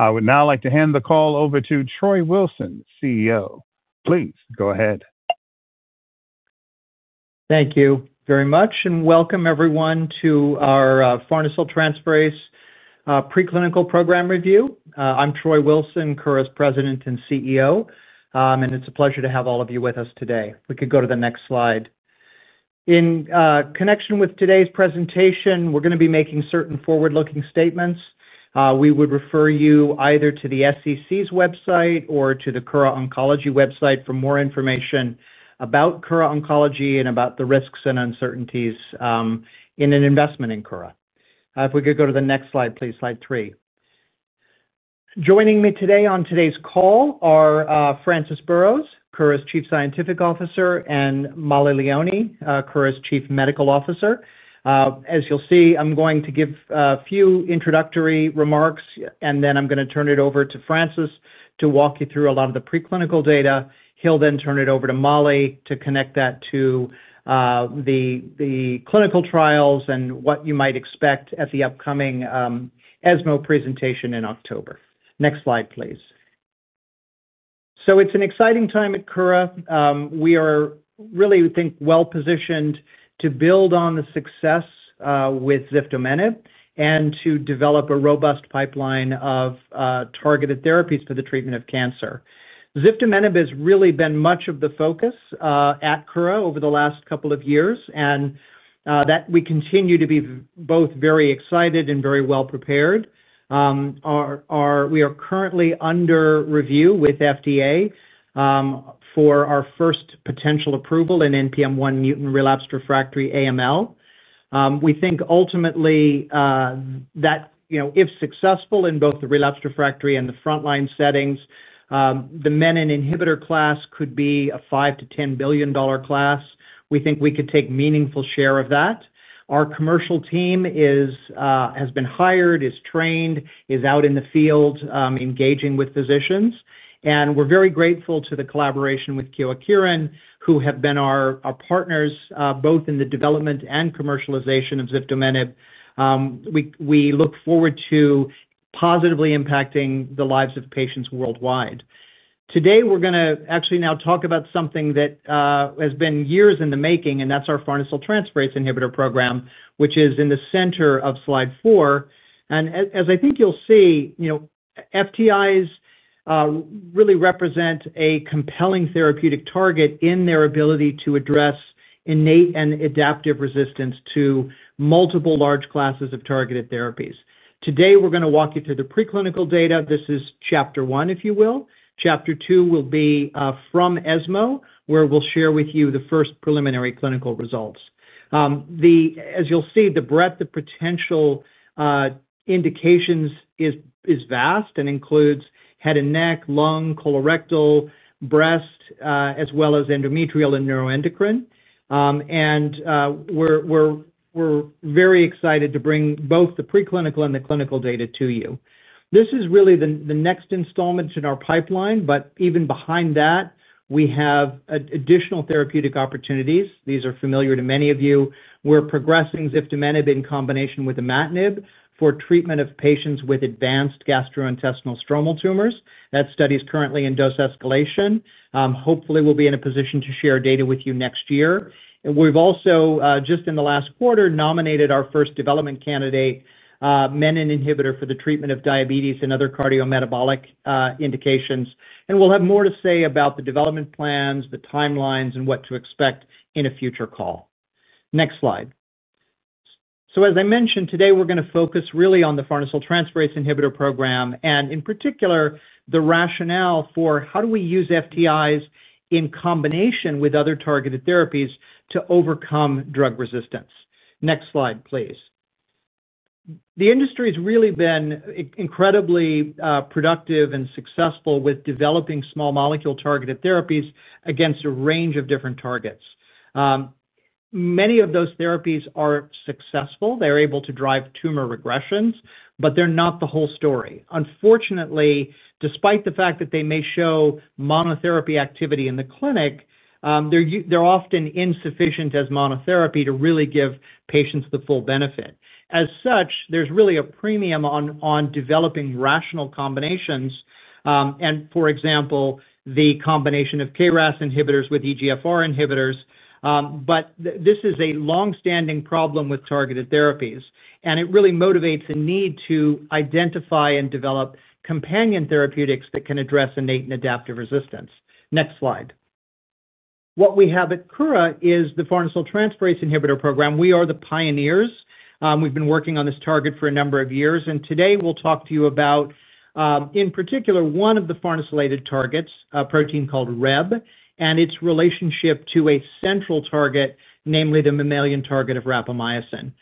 I would now like to hand the call over to Troy Wilson, CEO. Please go ahead. Thank you very much, and welcome everyone to our Farnesyl Transferase Preclinical Program Review. I'm Troy Wilson, Kura's President and CEO, and it's a pleasure to have all of you with us today. We could go to the next slide. In connection with today's presentation, we're going to be making certain forward-looking statements. We would refer you either to the SEC's website or to the Kura Oncology website for more information about Kura Oncology and about the risks and uncertainties in an investment in Kura. If we could go to the next slide, please, slide three. Joining me today on today's call are Francis Burrows, Kura's Chief Scientific Officer, and Mollie Leoni, Kura's Chief Medical Officer. As you'll see, I'm going to give a few introductory remarks, and then I'm going to turn it over to Francis to walk you through a lot of the preclinical data. He'll then turn it over to Mollie to connect that to the clinical trials and what you might expect at the upcoming ESMO presentation in October. Next slide, please. It's an exciting time at Kura. We are really, we think, well-positioned to build on the success with Ziftomenib and to develop a robust pipeline of targeted therapies for the treatment of cancer. Ziftomenib has really been much of the focus at Kura over the last couple of years, and we continue to be both very excited and very well prepared. We are currently under review with the FDA for our first potential approval in NPM1-mutant relapsed/refractory AML. We think ultimately that, you know, if successful in both the relapsed/refractory and the frontline settings, the menin inhibitor class could be a $5 billion-$10 billion class. We think we could take meaningful share of that. Our commercial team has been hired, is trained, is out in the field engaging with physicians, and we're very grateful to the collaboration with Kyowa Kirin, who have been our partners both in the development and commercialization of Ziftomenib. We look forward to positively impacting the lives of patients worldwide. Today, we're going to actually now talk about something that has been years in the making, and that's our Farnesyl Transferase inhibitor program, which is in the center of slide four. As I think you'll see, FTIs really represent a compelling therapeutic target in their ability to address innate and adaptive resistance to multiple large classes of targeted therapies. Today, we're going to walk you through the preclinical data. This is chapter one, if you will. Chapter two will be from ESMO, where we'll share with you the first preliminary clinical results. As you'll see, the breadth of potential indications is vast and includes head and neck, lung, colorectal, breast, as well as endometrial and neuroendocrine. We're very excited to bring both the preclinical and the clinical data to you. This is really the next installment in our pipeline, but even behind that, we have additional therapeutic opportunities. These are familiar to many of you. We're progressing Ziftomenib in combination with Imatinib for treatment of patients with advanced gastrointestinal stromal tumors. That study is currently in dose escalation. Hopefully, we'll be in a position to share data with you next year. We've also, just in the last quarter, nominated our first development candidate, menin inhibitor, for the treatment of diabetes and other cardiometabolic indications. We'll have more to say about the development plans, the timelines, and what to expect in a future call. Next slide. As I mentioned, today we're going to focus really on the Farnesyl Transferase inhibitor program and, in particular, the rationale for how do we use FTIs in combination with other targeted therapies to overcome drug resistance. Next slide, please. The industry has really been incredibly productive and successful with developing small molecule targeted therapies against a range of different targets. Many of those therapies are successful. They're able to drive tumor regressions, but they're not the whole story. Unfortunately, despite the fact that they may show monotherapy activity in the clinic, they're often insufficient as monotherapy to really give patients the full benefit. As such, there's really a premium on developing rational combinations, for example, the combination of KRAS inhibitors with EGFR inhibitors. This is a longstanding problem with targeted therapies, and it really motivates a need to identify and develop companion therapeutics that can address innate and adaptive resistance. Next slide. What we have at Kura is the Farnesyl Transferase inhibitor program. We are the pioneers. We've been working on this target for a number of years, and today we'll talk to you about, in particular, one of the farnesylated targets, a protein called Rheb, and its relationship to a central target, namely the mechanistic target of rapamycin.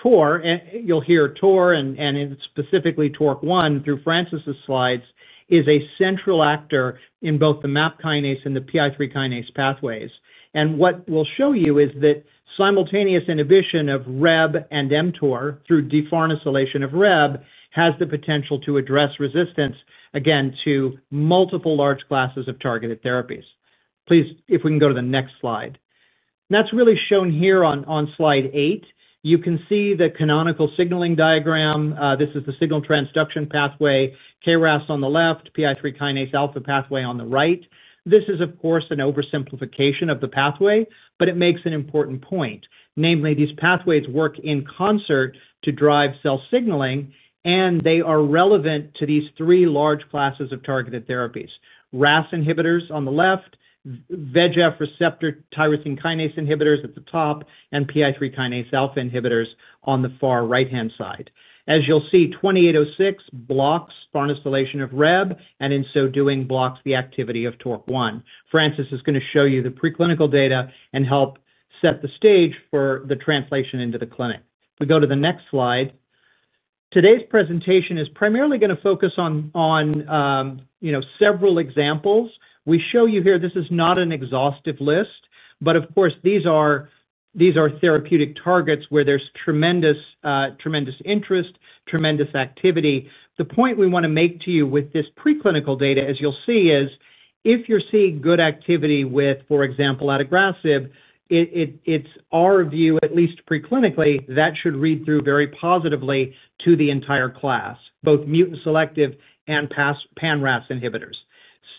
TOR, you'll hear TOR and specifically TORC1 through Francis's slides, is a central actor in both the MAP kinase and the PI3 kinase pathways. What we'll show you is that simultaneous inhibition of Rheb and mTOR through de-farnesylation of Rheb has the potential to address resistance, again, to multiple large classes of targeted therapies. Please, if we can go to the next slide. That's really shown here on slide eight. You can see the canonical signaling diagram. This is the signal transduction pathway, KRAS on the left, PI3 kinase alpha pathway on the right. This is, of course, an oversimplification of the pathway, but it makes an important point, namely, these pathways work in concert to drive cell signaling, and they are relevant to these three large classes of targeted therapies: RAS inhibitors on the left, VEGF receptor tyrosine kinase inhibitors at the top, and PI3 kinase alpha inhibitors on the far right-hand side. As you'll see, 2806 blocks farnesylation of Rheb and, in so doing, blocks the activity of TORC1. Francis is going to show you the preclinical data and help set the stage for the translation into the clinic. We go to the next slide. Today's presentation is primarily going to focus on several examples. We show you here this is not an exhaustive list, but, of course, these are therapeutic targets where there's tremendous interest, tremendous activity. The point we want to make to you with this preclinical data, as you'll see, is if you're seeing good activity with, for example, adagrasib, it's our view, at least preclinically, that should read through very positively to the entire class, both mutant selective and Pan-RAS inhibitors.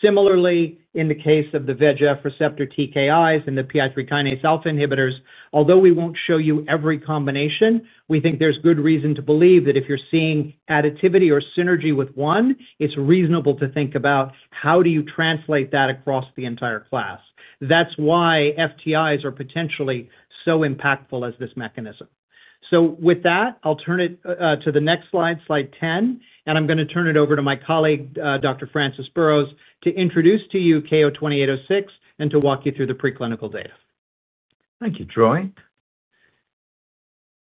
Similarly, in the case of the VEGF receptor TKIs and the PI3 kinase alpha inhibitors, although we won't show you every combination, we think there's good reason to believe that if you're seeing additivity or synergy with one, it's reasonable to think about how do you translate that across the entire class. That's why FTIs are potentially so impactful as this mechanism. With that, I'll turn it to the next slide, slide 10, and I'm going to turn it over to my colleague, Dr. Francis Burrows, to introduce to you KO-2806 and to walk you through the preclinical data. Thank you, Troy.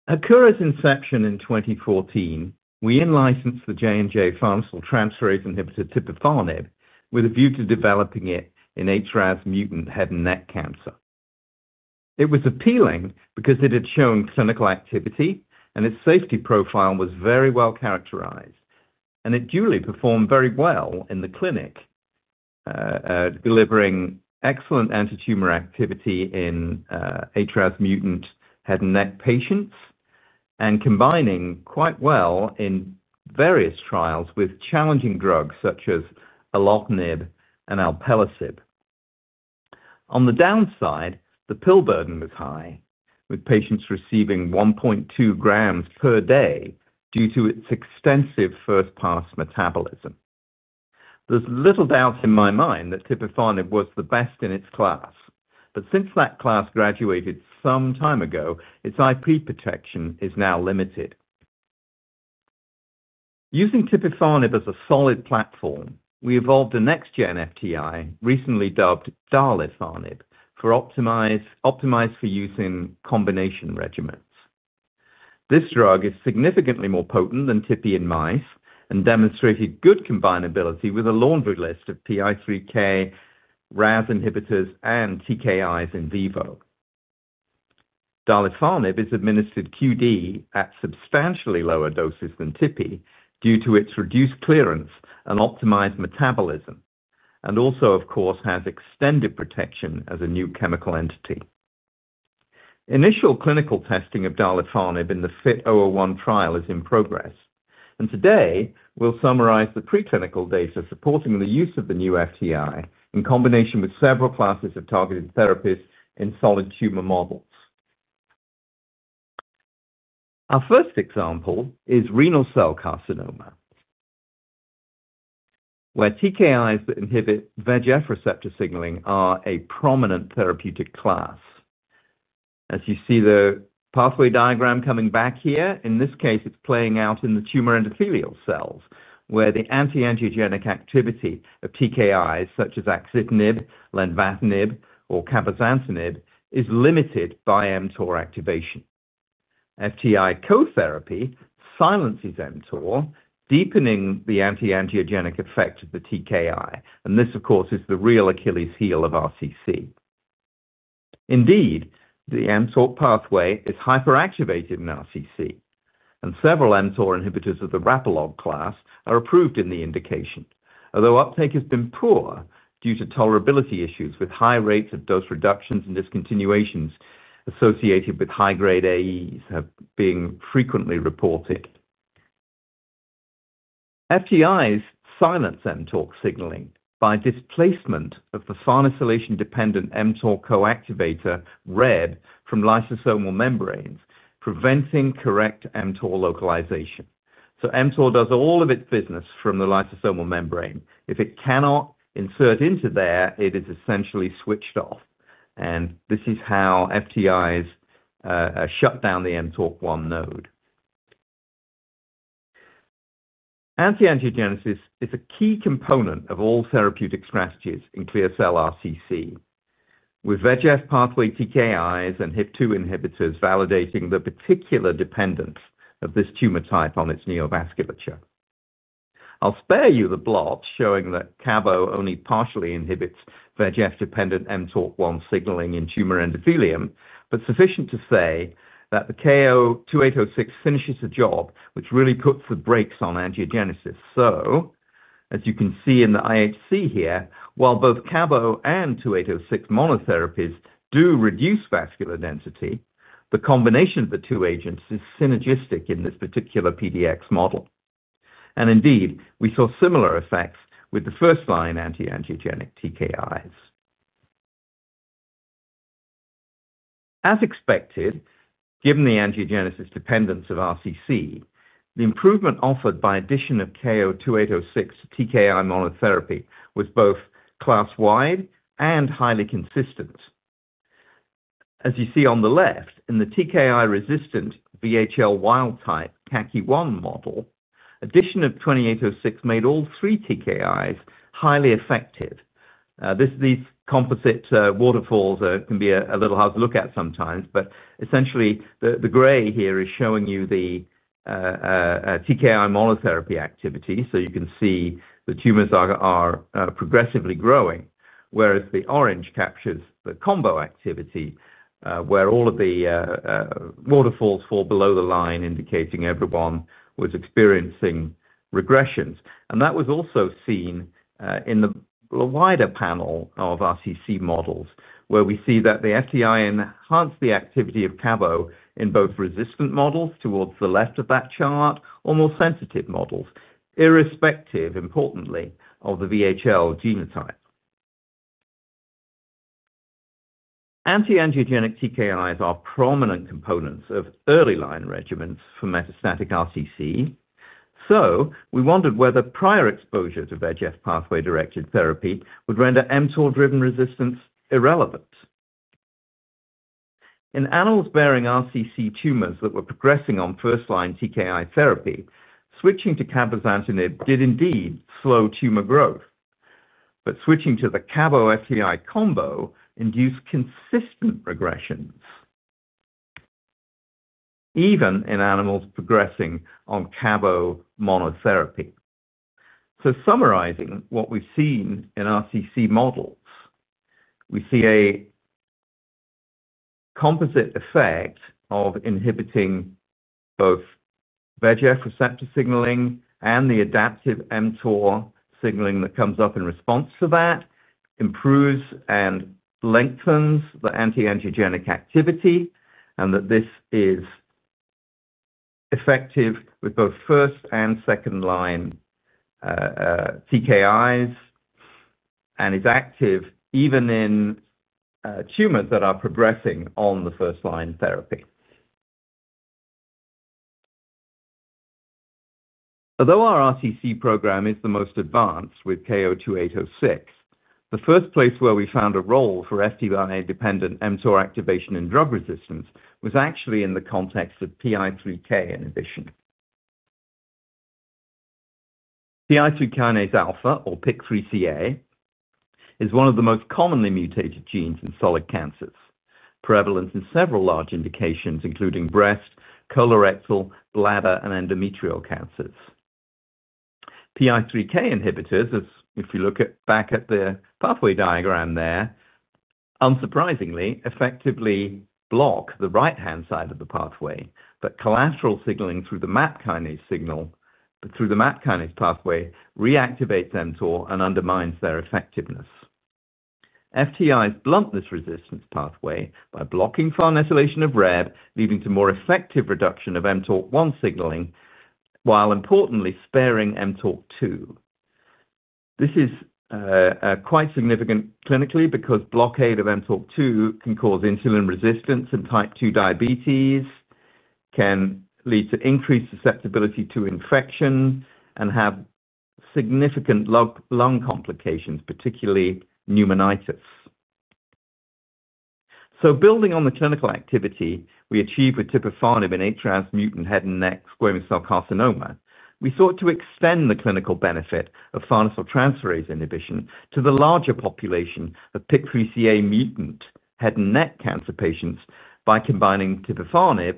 At Kura's inception in 2014, we in-licensed the J&J Farnesyl Transferase inhibitor tipifarnib with a view to developing it in HRAS mutant head and neck cancer. It was appealing because it had shown clinical activity, and its safety profile was very well characterized, and it duly performed very well in the clinic, delivering excellent antitumor activity in HRAS mutant head and neck patients and combining quite well in various trials with challenging drugs such as alpelisib. On the downside, the pill burden was high, with patients receiving 1.2 g per day due to its extensive first-pass metabolism. There's little doubt in my mind that tipifarnib was the best in its class, but since that class graduated some time ago, its IP protection is now limited. Using tipifarnib as a solid platform, we evolved a next-gen FTI, recently dubbed darlifarnib, optimized for use in combination regimens. This drug is significantly more potent than tipifarnib in mice and demonstrated good combinability with a laundry list of PI3K, RAS inhibitors, and TKIs in vivo. darlifarnib is administered q.d. at substantially lower doses than tipifarnib due to its reduced clearance and optimized metabolism and also, of course, has extended protection as a new chemical entity. Initial clinical testing of darlifarnib in the FIT-001 trial is in progress, and today we'll summarize the preclinical data supporting the use of the new FTI in combination with several classes of targeted therapies in solid tumor models. Our first example is renal cell carcinoma, where TKIs that inhibit VEGF receptor signaling are a prominent therapeutic class. As you see the pathway diagram coming back here, in this case, it's playing out in the tumor endothelial cells where the anti-angiogenic activity of TKIs such as axitinib, lenvatinib, or cabozantinib is limited by mTOR activation. FTI co-therapy silences mTOR, deepening the anti-angiogenic effect of the TKI, and this, of course, is the real Achilles heel of RCC. Indeed, the mTOR pathway is hyperactivated in RCC, and several mTOR inhibitors of the rapalog class are approved in the indication, although uptake has been poor due to tolerability issues with high rates of dose reductions and discontinuations associated with high-grade AEs being frequently reported. FTIs silence mTOR signaling by displacement of the farnesylation-dependent mTOR co-activator Rheb from lysosomal membranes, preventing correct mTOR localization. mTOR does all of its business from the lysosomal membrane. If it cannot insert into there, it is essentially switched off, and this is how FTIs shut down the mTORC1 node. Anti-angiogenesis is a key component of all therapeutic strategies in clear cell RCC, with VEGF pathway TKIs and HIF2 inhibitors validating the particular dependence of this tumor type on its neovasculature. I'll spare you the blot showing that cabo only partially inhibits VEGF-dependent mTORC1 signaling in tumor endothelium, but sufficient to say that the KO-2806 finishes a job which really puts the brakes on angiogenesis. As you can see in the IHC here, while both cabo and 2806 monotherapies do reduce vascular density, the combination of the two agents is synergistic in this particular PDX model. Indeed, we saw similar effects with the first-line anti-angiogenic TKIs. As expected, given the angiogenesis dependence of RCC, the improvement offered by addition of KO-2806 to TKI monotherapy was both class-wide and highly consistent. As you see on the left, in the TKI-resistant VHL wild-type Caki-1 model, addition of 2806 made all three TKIs highly effective. These composite waterfalls can be a little hard to look at sometimes, but essentially, the gray here is showing you the TKI monotherapy activity. You can see the tumors are progressively growing, whereas the orange captures the combo activity where all of the waterfalls fall below the line, indicating everyone was experiencing regressions. That was also seen in the wider panel of RCC models, where we see that the FTI enhanced the activity of cabo in both resistant models towards the left of that chart or more sensitive models, irrespective, importantly, of the VHL genotype. Anti-angiogenic TKIs are prominent components of early-line regimens for metastatic RCC, so we wondered whether prior exposure to VEGF pathway-directed therapy would render mTOR-driven resistance irrelevant. In animals bearing RCC tumors that were progressing on first-line TKI therapy, switching to cabozantinib did indeed slow tumor growth, but switching to the cabo-FTI combo induced consistent regressions, even in animals progressing on cabo monotherapy. Summarizing what we've seen in RCC models, we see a composite effect of inhibiting both VEGF receptor signaling and the adaptive mTOR signaling that comes up in response to that, improves and lengthens the anti-angiogenic activity, and that this is effective with both first and second-line tyrosine kinase inhibitors and is active even in tumors that are progressing on the first-line therapy. Although our RCC program is the most advanced with KO-2806, the first place where we found a role for FTI-dependent mTOR activation in drug resistance was actually in the context of PI3K inhibition. PI3Kα, or PIK3CA, is one of the most commonly mutated genes in solid cancers, prevalent in several large indications, including breast, colorectal, bladder, and endometrial cancers. PI3K inhibitors, as if you look back at the pathway diagram there, unsurprisingly, effectively block the right-hand side of the pathway, but collateral signaling through the MAP kinase pathway reactivates mTOR and undermines their effectiveness. FTIs blunt this resistance pathway by blocking farnesylation of Rheb, leading to more effective reduction of mTORC1 signaling, while importantly sparing mTORC2. This is quite significant clinically because blockade of mTORC2 can cause insulin resistance and type 2 diabetes, can lead to increased susceptibility to infection, and have significant lung complications, particularly pneumonitis. Building on the clinical activity we achieved with tipifarnib in HRAS mutant head and neck squamous cell carcinoma, we sought to extend the clinical benefit of farnesyl transferase inhibition to the larger population of PIK3CA mutant head and neck cancer patients by combining tipifarnib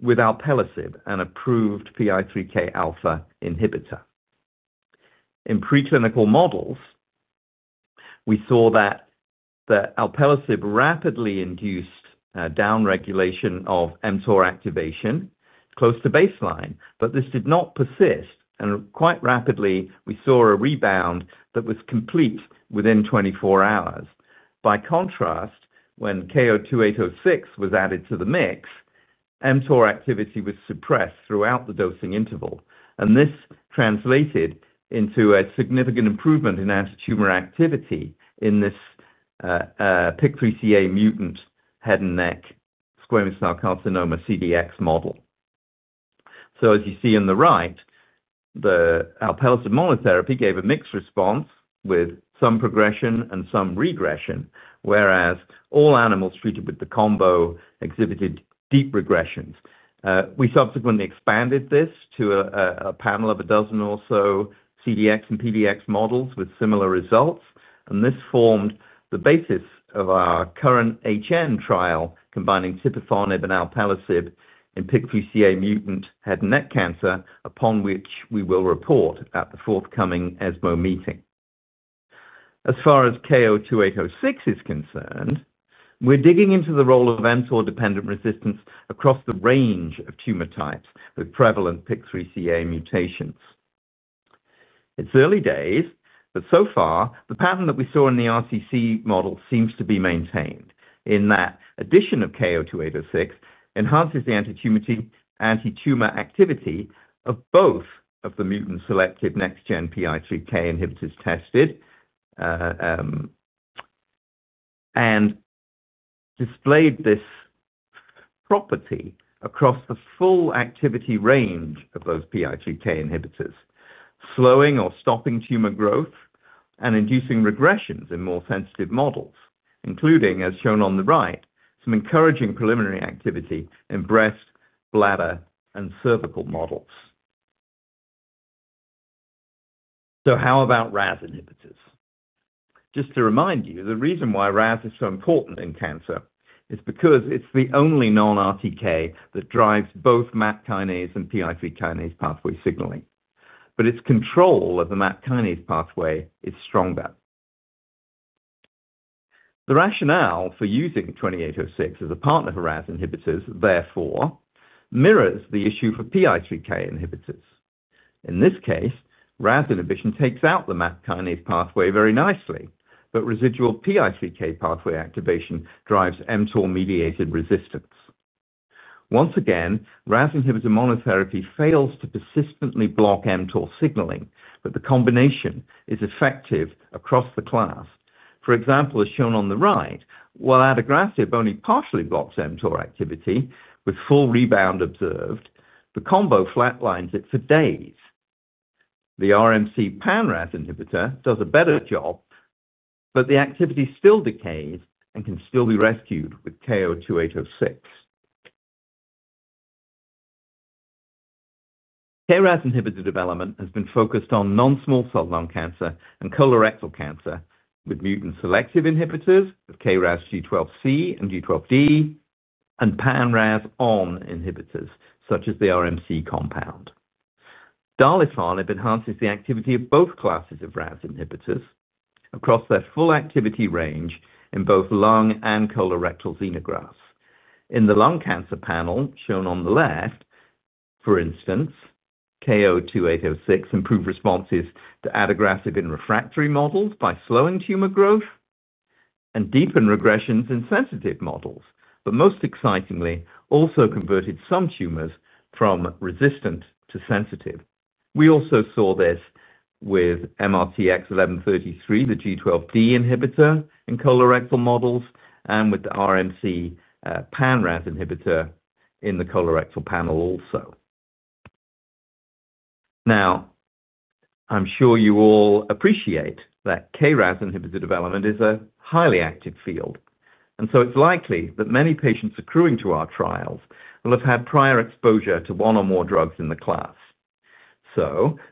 with alpelisib, an approved PI3Kα inhibitor. In preclinical models, we saw that the alpelisib rapidly induced downregulation of mTOR activation close to baseline, but this did not persist, and quite rapidly, we saw a rebound that was complete within 24 hours. By contrast, when KO-2806 was added to the mix, mTOR activity was suppressed throughout the dosing interval, and this translated into a significant improvement in tumor activity in this PIK3CA mutant head and neck squamous cell carcinoma CDX model. As you see on the right, the alpelisib monotherapy gave a mixed response with some progression and some regression, whereas all animals treated with the combo exhibited deep regressions. We subsequently expanded this to a panel of a dozen or so CDX and PDX models with similar results, and this formed the basis of our current HN trial, combining tipifarnib and alpelisib in PIK3CA mutant head and neck cancer, upon which we will report at the forthcoming ESMO meeting. As far as KO-2806 is concerned, we're digging into the role of mTOR-dependent resistance across the range of tumor types with prevalent PIK3CA mutations. It's early days, but so far, the pattern that we saw in the RCC model seems to be maintained in that addition of KO-2806 enhances the antitumor activity of both of the mutant selective next-gen PI3K inhibitors tested and displayed this property across the full activity range of both PI3K inhibitors, slowing or stopping tumor growth and inducing regressions in more sensitive models, including, as shown on the right, some encouraging preliminary activity in breast, bladder, and cervical models. How about RAS inhibitors? Just to remind you, the reason why RAS is so important in cancer is because it's the only non-RTK that drives both MAP kinase and PI3 kinase pathway signaling, but its control of the MAP kinase pathway is stronger. The rationale for using 2806 as a partner for RAS inhibitors, therefore, mirrors the issue for PI3K inhibitors. In this case, RAS inhibition takes out the MAP kinase pathway very nicely, but residual PI3K pathway activation drives mTOR-mediated resistance. Once again, RAS inhibitor monotherapy fails to persistently block mTOR signaling, but the combination is effective across the class. For example, as shown on the right, while adagrasib only partially blocks mTOR activity with full rebound observed, the combo flatlines it for days. The RMC Pan-RAS inhibitor does a better job, but the activity still decays and can still be rescued with KO-2806. KRAS inhibitor development has been focused on non-small cell lung cancer and colorectal cancer with mutant selective inhibitors, with KRAS G12C and G12D, and Pan-RAS on inhibitors such as the RMC compound. Darlifarnib enhances the activity of both classes of RAS inhibitors across their full activity range in both lung and colorectal xenografts. In the lung cancer panel shown on the left, for instance, KO-2806 improved responses to adagrasib in refractory models by slowing tumor growth and deepened regressions in sensitive models, but most excitingly, also converted some tumors from resistant to sensitive. We also saw this with MRTX1133, the G12D inhibitor in colorectal models, and with the RMC Pan-RAS inhibitor in the colorectal panel also. I'm sure you all appreciate that KRAS inhibitor development is a highly active field, and it's likely that many patients accruing to our trials will have had prior exposure to one or more drugs in the class.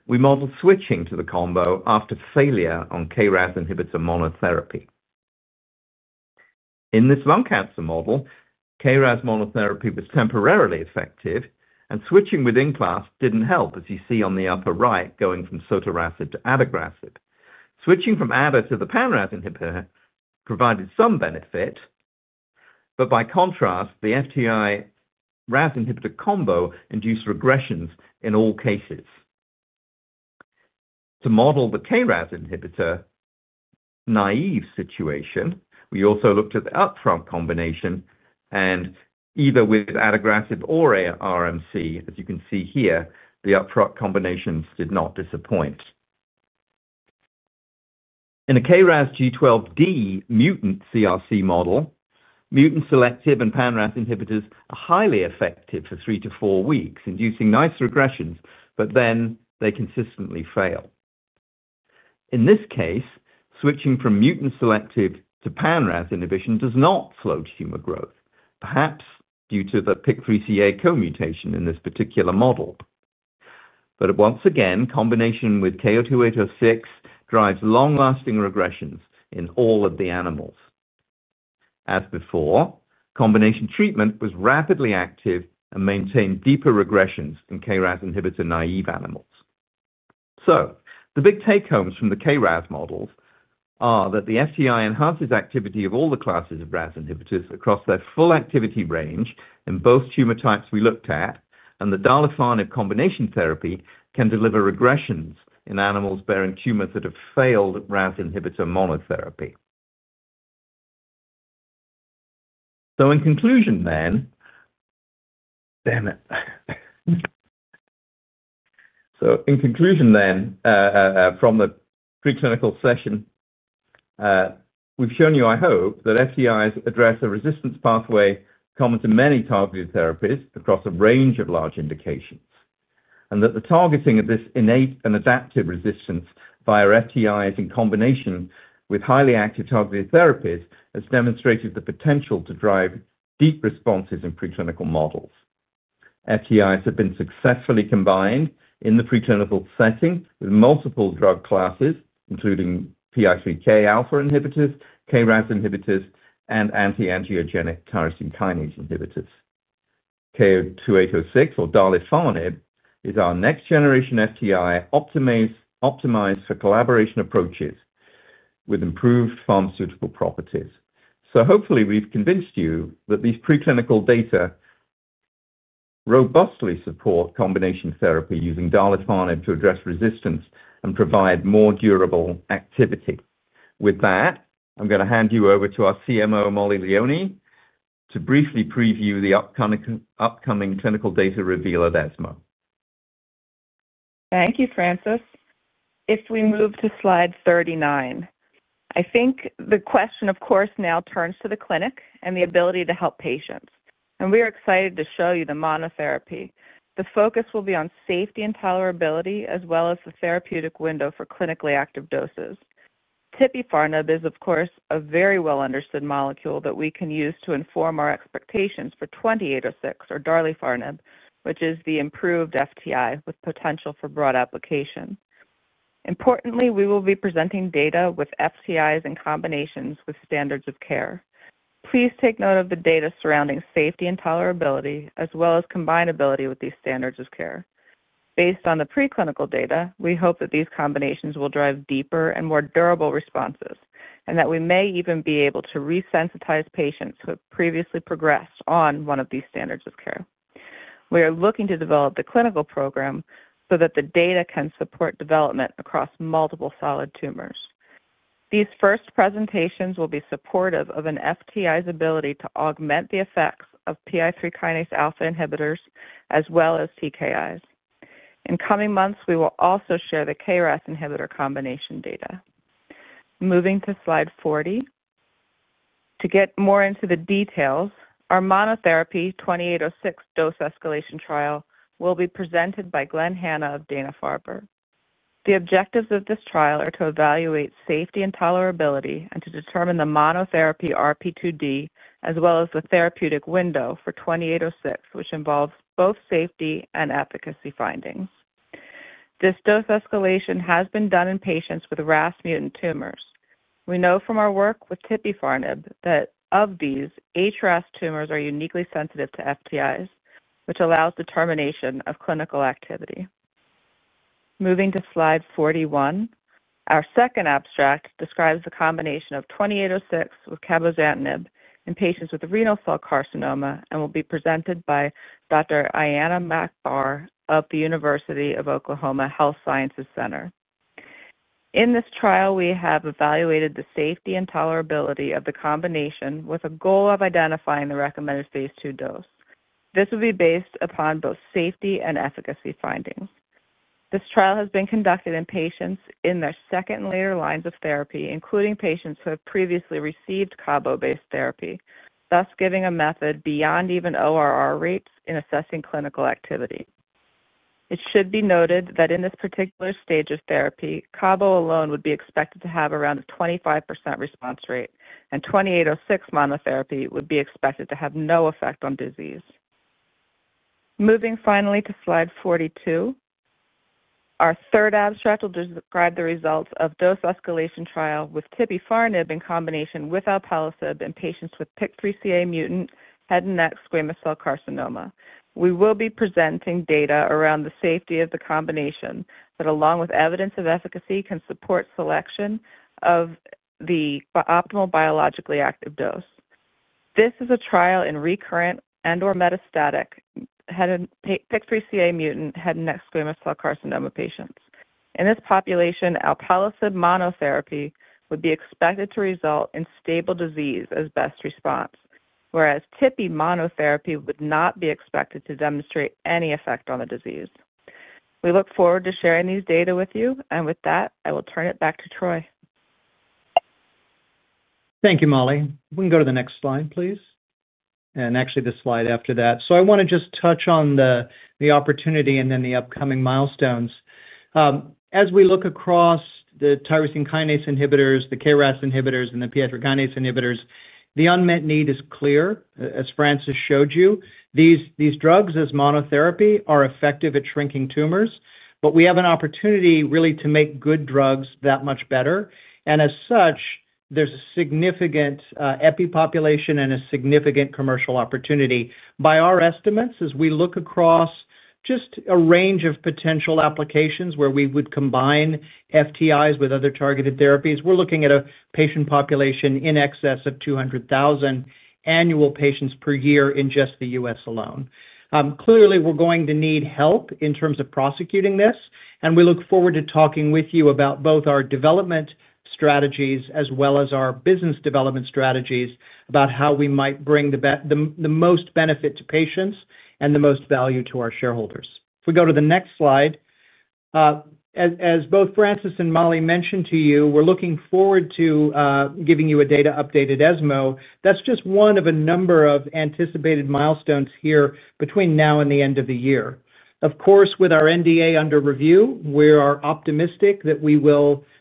We modeled switching to the combo after failure on KRAS inhibitor monotherapy. In this lung cancer model, KRAS monotherapy was temporarily effective, and switching within class didn't help, as you see on the upper right, going from sotorasib to adagrasib. Switching from adagrasib to the Pan-RAS inhibitor provided some benefit, but by contrast, the FTI-RAS inhibitor combo induced regressions in all cases. To model the KRAS inhibitor naive situation, we also looked at the upfront combination, and either with adagrasib or RMC, as you can see here, the upfront combinations did not disappoint. In a KRAS G12D mutant CRC model, mutant selective and Pan-RAS inhibitors are highly effective for 3-4 weeks, inducing nice regressions, but then they consistently fail. In this case, switching from mutant selective to Pan-RAS inhibition does not slow tumor growth, perhaps due to the PIK3CA co-mutation in this particular model. Once again, combination with KO-2806 drives long-lasting regressions in all of the animals. As before, combination treatment was rapidly active and maintained deeper regressions in KRAS inhibitor naive animals. The big take-homes from the KRAS models are that the FTI enhances activity of all the classes of RAS inhibitors across their full activity range in both tumor types we looked at, and the darlifarnib combination therapy can deliver regressions in animals bearing tumors that have failed RAS inhibitor monotherapy. In conclusion then, from the preclinical session, we've shown you, I hope, that FTIs address a resistance pathway common to many targeted therapies across a range of large indications, and that the targeting of this innate and adaptive resistance via FTIs in combination with highly active targeted therapies has demonstrated the potential to drive deep responses in preclinical models. FTIs have been successfully combined in the preclinical setting with multiple drug classes, including PI3Kα inhibitors, KRAS inhibitors, and anti-angiogenic tyrosine kinase inhibitors. KO-2806, or darlifarnib, is our next-generation FTI optimized for combination approaches with improved pharmaceutical properties. Hopefully, we've convinced you that these preclinical data robustly support combination therapy using darlifarnib to address resistance and provide more durable activity. With that, I'm going to hand you over to our CMO, Mollie Leoni, to briefly preview the upcoming clinical data reveal at ESMO. Thank you, Francis. If we move to slide 39, I think the question, of course, now turns to the clinic and the ability to help patients, and we are excited to show you the monotherapy. The focus will be on safety and tolerability, as well as the therapeutic window for clinically active doses. Tipifarnib is, of course, a very well-understood molecule that we can use to inform our expectations for 2806, or darlifarnib, which is the improved FTI with potential for broad application. Importantly, we will be presenting data with FTIs in combinations with standard-of-care agents. Please take note of the data surrounding safety and tolerability, as well as combinability with these standard-of-care agents. Based on the preclinical data, we hope that these combinations will drive deeper and more durable responses and that we may even be able to resensitize patients who have previously progressed on one of these standard-of-care agents. We are looking to develop the clinical program so that the data can support development across multiple solid tumors. These first presentations will be supportive of an FTI's ability to augment the effects of PI3Kα inhibitors, as well as TKI. In coming months, we will also share the KRAS inhibitor combination data. Moving to slide 40, to get more into the details, our monotherapy 2806 dose escalation trial will be presented by Glenn Hanna of Dana-Farber. The objectives of this trial are to evaluate safety and tolerability and to determine the monotherapy RP2D, as well as the therapeutic window for 2806, which involves both safety and efficacy findings. This dose escalation has been done in patients with RAS mutant tumors. We know from our work with tipifarnib that of these, HRAS tumors are uniquely sensitive to FTIs, which allows determination of clinical activity. Moving to slide 41, our second abstract describes the combination of 2806 with cabozantinib in patients with renal cell carcinoma and will be presented by Dr. [Ayanna McBaugh] of the University of Oklahoma Health Sciences Center. In this trial, we have evaluated the safety and tolerability of the combination with a goal of identifying the recommended phase II dose. This will be based upon both safety and efficacy findings. This trial has been conducted in patients in their second and later lines of therapy, including patients who have previously received cabo-based therapy, thus giving a method beyond even ORR rates in assessing clinical activity. It should be noted that in this particular stage of therapy, cabo alone would be expected to have around a 25% response rate, and 2806 monotherapy would be expected to have no effect on disease. Moving finally to slide 42, our third abstract will describe the results of dose escalation trial with tipifarnib in combination with alpelisib in patients with PIK3CA mutant head and neck squamous cell carcinoma. We will be presenting data around the safety of the combination that, along with evidence of efficacy, can support selection of the optimal biologically active dose. This is a trial in recurrent and/or metastatic PIK3CA mutant head and neck squamous cell carcinoma patients. In this population, alpelisib monotherapy would be expected to result in stable disease as best response, whereas tipifarnib monotherapy would not be expected to demonstrate any effect on the disease. We look forward to sharing these data with you, and with that, I will turn it back to Troy. Thank you, Mollie. We can go to the next slide, please, and actually the slide after that. I want to just touch on the opportunity and then the upcoming milestones. As we look across the tyrosine kinase inhibitors, the KRAS inhibitors, and the PI3Kα inhibitors, the unmet need is clear, as Francis showed you. These drugs as monotherapy are effective at shrinking tumors, but we have an opportunity really to make good drugs that much better, and as such, there's a significant epi-population and a significant commercial opportunity. By our estimates, as we look across just a range of potential applications where we would combine FTIs with other targeted therapies, we're looking at a patient population in excess of 200,000 annual patients per year in just the U.S. alone. Clearly, we're going to need help in terms of prosecuting this, and we look forward to talking with you about both our development strategies as well as our business development strategies about how we might bring the most benefit to patients and the most value to our shareholders. If we go to the next slide, as both Francis and Mollie mentioned to you, we're looking forward to giving you a data update at ESMO. That's just one of a number of anticipated milestones here between now and the end of the year. Of course, with our NDA under review, we are optimistic that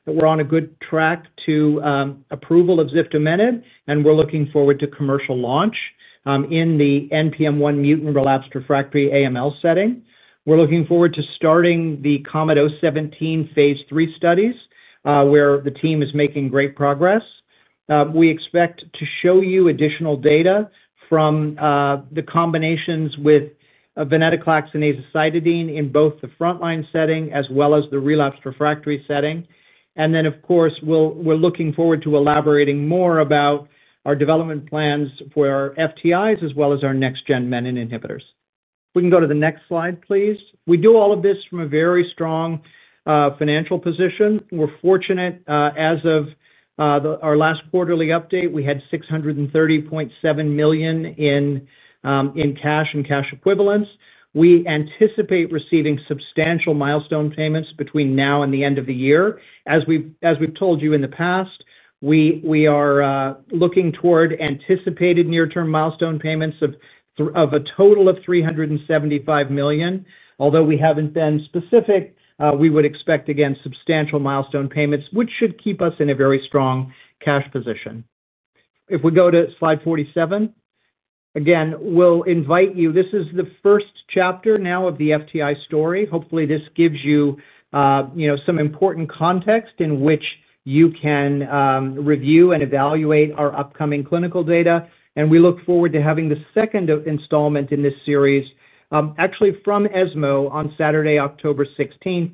we're on a good track to approval of Ziftomenib, and we're looking forward to commercial launch in the NPM1-mutant relapsed/refractory AML setting. We're looking forward to starting the KOMET-017 phase III studies, where the team is making great progress. We expect to show you additional data from the combinations with venetoclax and azacitidine in both the frontline setting as well as the relapsed/refractory setting, and then, of course, we're looking forward to elaborating more about our development plans for our FTIs as well as our next-gen menin inhibitors. If we can go to the next slide, please. We do all of this from a very strong financial position. We're fortunate, as of our last quarterly update, we had $630.7 million in cash and cash equivalents. We anticipate receiving substantial milestone payments between now and the end of the year. As we've told you in the past, we are looking toward anticipated near-term milestone payments of a total of $375 million. Although we haven't been specific, we would expect, again, substantial milestone payments, which should keep us in a very strong cash position. If we go to slide 47, again, we'll invite you. This is the first chapter now of the FTI story. Hopefully, this gives you some important context in which you can review and evaluate our upcoming clinical data, and we look forward to having the second installment in this series, actually from ESMO on Saturday, October 16th.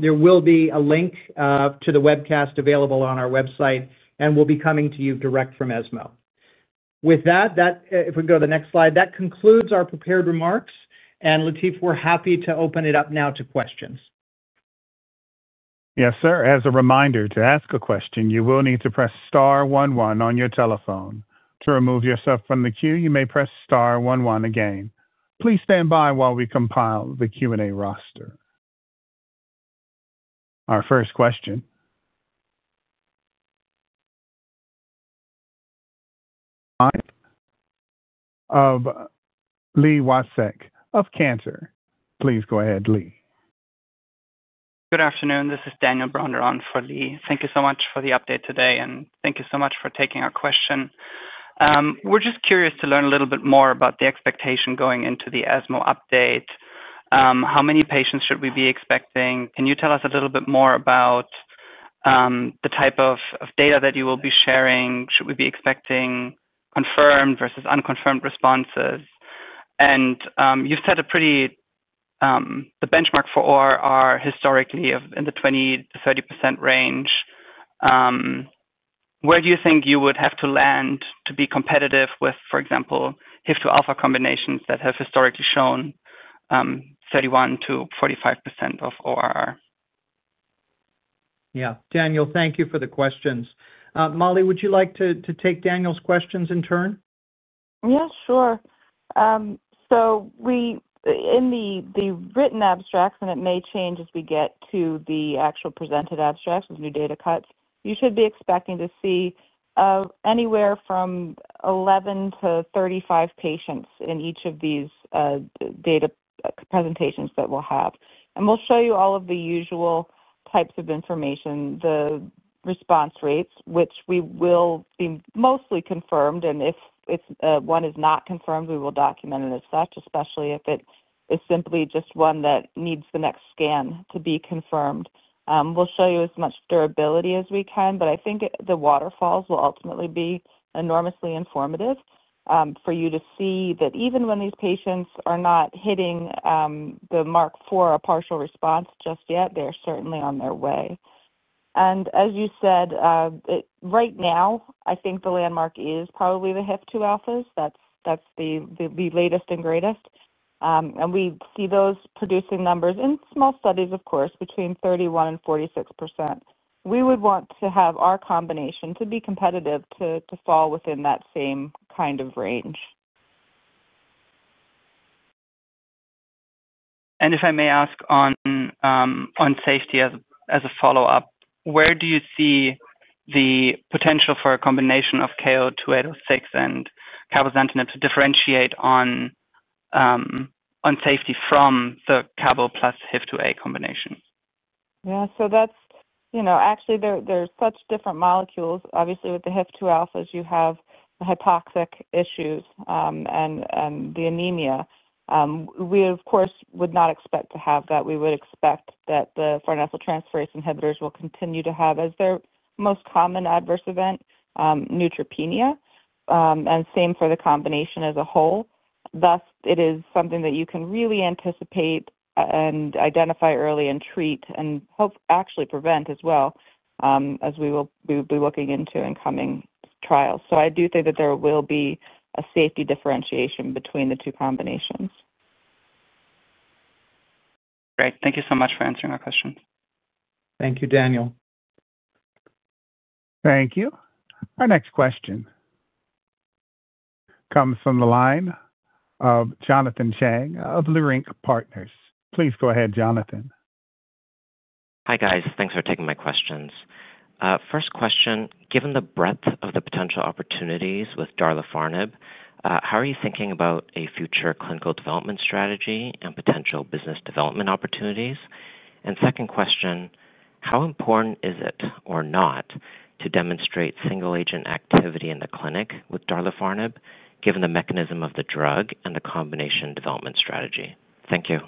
There will be a link to the webcast available on our website, and we'll be coming to you direct from ESMO. With that, if we can go to the next slide, that concludes our prepared remarks, and Latif, we're happy to open it up now to questions. Yes, sir. As a reminder, to ask a question, you will need to press star one one on your telephone. To remove yourself from the queue, you may press star one one again. Please stand by while we compile the Q&A roster. Our first question of Li Watsek of Cantor. Please go ahead, Li. Good afternoon. This is [Daniel Brunner] on for Li. Thank you so much for the update today, and thank you so much for taking our question. We're just curious to learn a little bit more about the expectation going into the ESMO update. How many patients should we be expecting? Can you tell us a little bit more about the type of data that you will be sharing? Should we be expecting confirmed versus unconfirmed responses? You've set a pretty benchmark for ORR historically in the 20%-30% range. Where do you think you would have to land to be competitive with, for example, HIF2α combinations that have historically shown 31%-45% of ORR? Yeah, Daniel, thank you for the questions. Mollie, would you like to take Daniel's questions in turn? Yeah, sure. In the written abstracts, and it may change as we get to the actual presented abstracts with new data cuts, you should be expecting to see anywhere from 11-35 patients in each of these data presentations that we'll have, and we'll show you all of the usual types of information, the response rates, which will be mostly confirmed, and if one is not confirmed, we will document it as such, especially if it is simply just one that needs the next scan to be confirmed. We'll show you as much durability as we can. I think the waterfalls will ultimately be enormously informative for you to see that even when these patients are not hitting the mark for a partial response just yet, they're certainly on their way. As you said, right now, I think the landmark is probably the HIF2α inhibitors. That's the latest and greatest, and we see those producing numbers in small studies, of course, between 31% and 46%. We would want to have our combination to be competitive to fall within that same kind of range. If I may ask on safety as a follow-up, where do you see the potential for a combination of KO-2806 and cabozantinib to differentiate on safety from the cabo plus HIF2α inhibitor combination? Yeah, so that's, you know, actually, there's such different molecules. Obviously, with the HIF2α inhibitors, you have the hypoxic issues and the anemia. We, of course, would not expect to have that. We would expect that the farnesyl transferase inhibitors will continue to have, as their most common adverse event, neutropenia, and same for the combination as a whole. It is something that you can really anticipate and identify early and treat and hope actually prevent as well, as we will be looking into in coming trials. I do think that there will be a safety differentiation between the two combinations. Great. Thank you so much for answering our questions. Thank you, Daniel. Thank you. Our next question comes from the line of Jonathan Chang of Leerink Partners. Please go ahead, Jonathan. Hi guys, thanks for taking my questions. First question, given the breadth of the potential opportunities with darlifarnib, how are you thinking about a future clinical development strategy and potential business development opportunities? Second question, how important is it or not to demonstrate single-agent activity in the clinic with darlifarnib, given the mechanism of the drug and the combination development strategy? Thank you.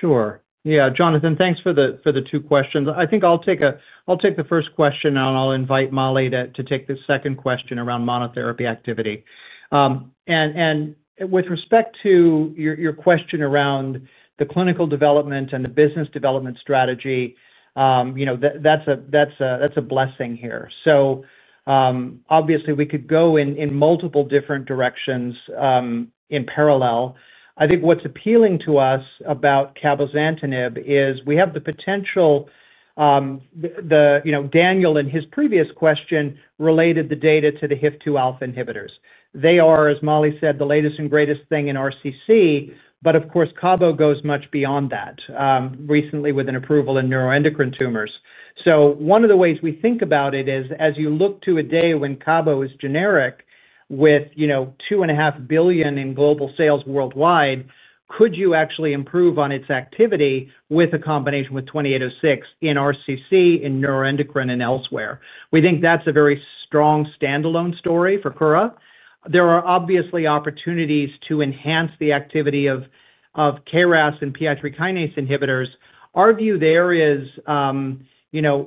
Sure. Yeah, Jonathan, thanks for the two questions. I think I'll take the first question, and I'll invite Mollie to take the second question around monotherapy activity. With respect to your question around the clinical development and the business development strategy, that's a blessing here. Obviously, we could go in multiple different directions in parallel. I think what's appealing to us about cabozantinib is we have the potential, you know, Daniel in his previous question related the data to the HIF2α inhibitors. They are, as Mollie said, the latest and greatest thing in RCC, but of course, cabo goes much beyond that recently with an approval in neuroendocrine tumors. One of the ways we think about it is, as you look to a day when cabo is generic with $2.5 billion in global sales worldwide, could you actually improve on its activity with a combination with 2806 in RCC, in neuroendocrine, and elsewhere? We think that's a very strong standalone story for Kura. There are obviously opportunities to enhance the activity of KRAS and PI3Kα inhibitors. Our view there is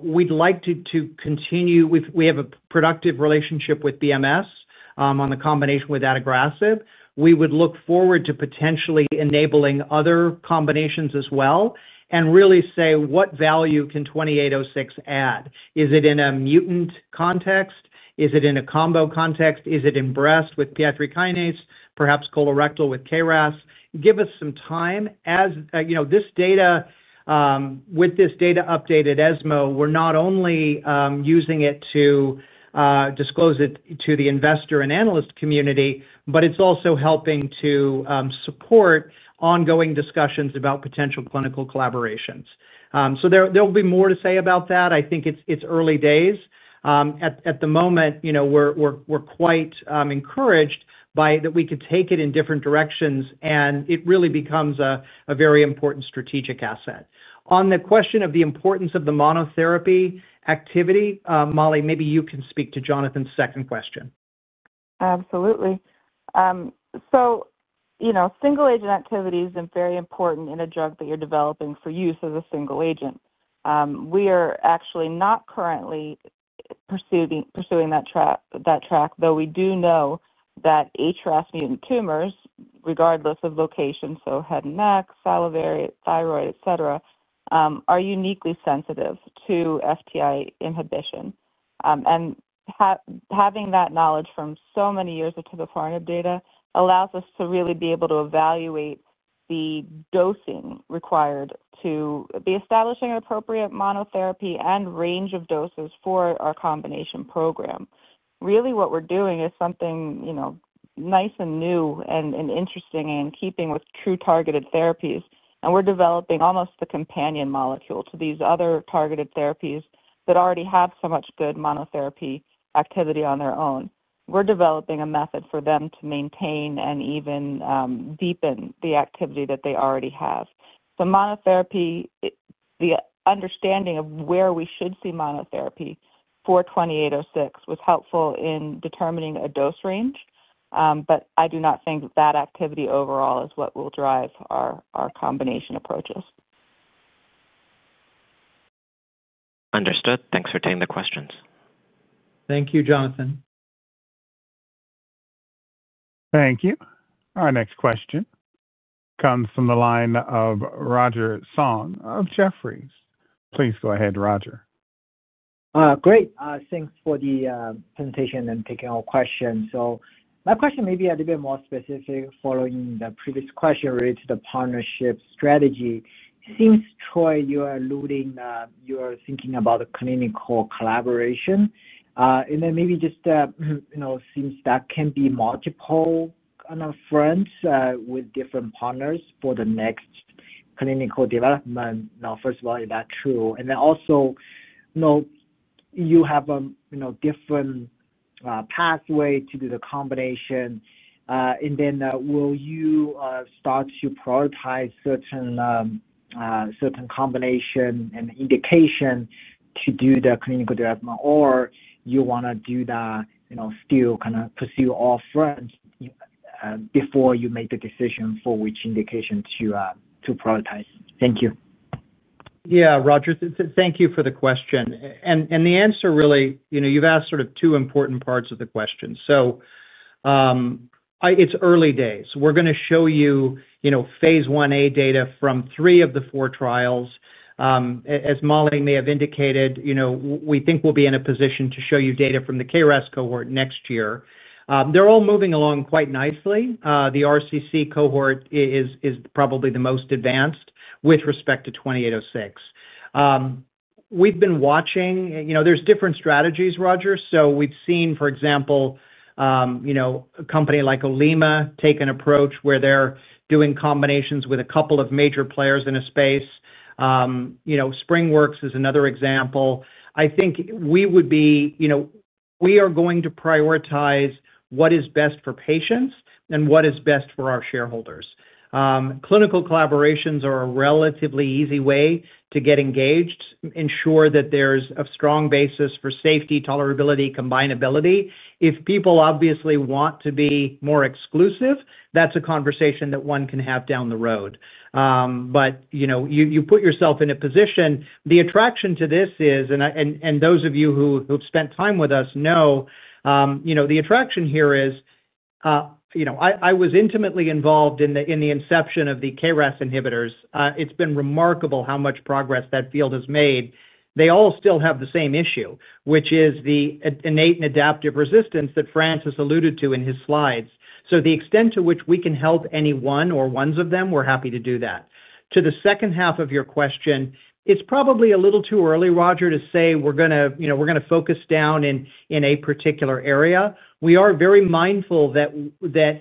we'd like to continue. We have a productive relationship with BMS on the combination with adagrasib. We would look forward to potentially enabling other combinations as well and really say, what value can 2806 add? Is it in a mutant context? Is it in a combo context? Is it in breast with PI3Kα, perhaps colorectal with KRAS? Give us some time. As you know, with this data updated at ESMO, we're not only using it to disclose it to the investor and analyst community, but it's also helping to support ongoing discussions about potential clinical collaborations. There will be more to say about that. I think it's early days. At the moment, we're quite encouraged that we could take it in different directions, and it really becomes a very important strategic asset. On the question of the importance of the monotherapy activity, Mollie, maybe you can speak to Jonathan's second question. Absolutely. Single-agent activity is very important in a drug that you're developing for use as a single agent. We are actually not currently pursuing that track, though we do know that HRAS mutant tumors, regardless of location, so head and neck, salivary, thyroid, etc., are uniquely sensitive to FTI inhibition. Having that knowledge from so many years of tipifarnib data allows us to really be able to evaluate the dosing required to be establishing an appropriate monotherapy and range of doses for our combination program. What we're doing is something nice and new and interesting in keeping with true targeted therapies, and we're developing almost the companion molecule to these other targeted therapies that already have so much good monotherapy activity on their own. We're developing a method for them to maintain and even deepen the activity that they already have. Monotherapy, the understanding of where we should see monotherapy for 2806 was helpful in determining a dose range, but I do not think that activity overall is what will drive our combination approaches. Understood. Thanks for taking the questions. Thank you, Jonathan. Thank you. Our next question comes from the line of Roger Song of Jefferies. Please go ahead, Roger. Great. Thanks for the presentation and taking all questions. My question may be a little bit more specific following the previous question related to the partnership strategy. It seems, Troy, you are alluding you are thinking about clinical collaboration, and then maybe just, you know, seems that can be multiple kind of fronts with different partners for the next clinical development. First of all, is that true? Also, you have a different pathway to do the combination, and then will you start to prioritize certain combinations and indications to do the clinical development, or you want to do that, you know, still kind of pursue all fronts before you make the decision for which indication to prioritize? Thank you. Yeah, Roger, thank you for the question. The answer really, you know, you've asked sort of two important parts of the question. It's early days. We're going to show you phase 1-A data from three of the four trials. As Mollie may have indicated, we think we'll be in a position to show you data from the KRAS cohort next year. They're all moving along quite nicely. The RCC cohort is probably the most advanced with respect to 2806. We've been watching, you know, there's different strategies, Roger. We've seen, for example, a company like Olema take an approach where they're doing combinations with a couple of major players in a space. SpringWorks is another example. I think we would be, you know, we are going to prioritize what is best for patients and what is best for our shareholders. Clinical collaborations are a relatively easy way to get engaged, ensure that there's a strong basis for safety, tolerability, combinability. If people obviously want to be more exclusive, that's a conversation that one can have down the road. You put yourself in a position. The attraction to this is, and those of you who've spent time with us know, the attraction here is, you know, I was intimately involved in the inception of the KRAS inhibitors. It's been remarkable how much progress that field has made. They all still have the same issue, which is the innate and adaptive resistance that Francis alluded to in his slides. The extent to which we can help anyone or ones of them, we're happy to do that. To the second half of your question, it's probably a little too early, Roger, to say we're going to focus down in a particular area. We are very mindful that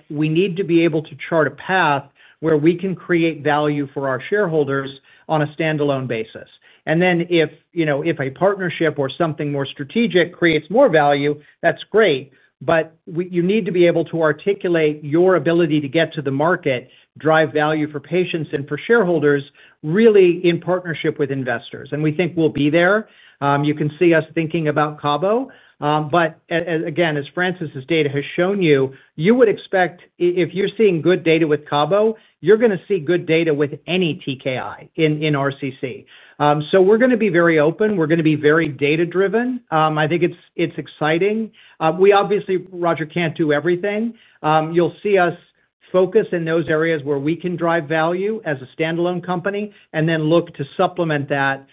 we need to be able to chart a path where we can create value for our shareholders on a standalone basis. If a partnership or something more strategic creates more value, that's great, but you need to be able to articulate your ability to get to the market, drive value for patients and for shareholders really in partnership with investors, and we think we'll be there. You can see us thinking about cabo, but again, as Francis's data has shown you, you would expect if you're seeing good data with cabo, you're going to see good data with any TKI in RCC. We're going to be very open. We're going to be very data-driven. I think it's exciting. We obviously, Roger, can't do everything. You'll see us focus in those areas where we can drive value as a standalone company and then look to supplement that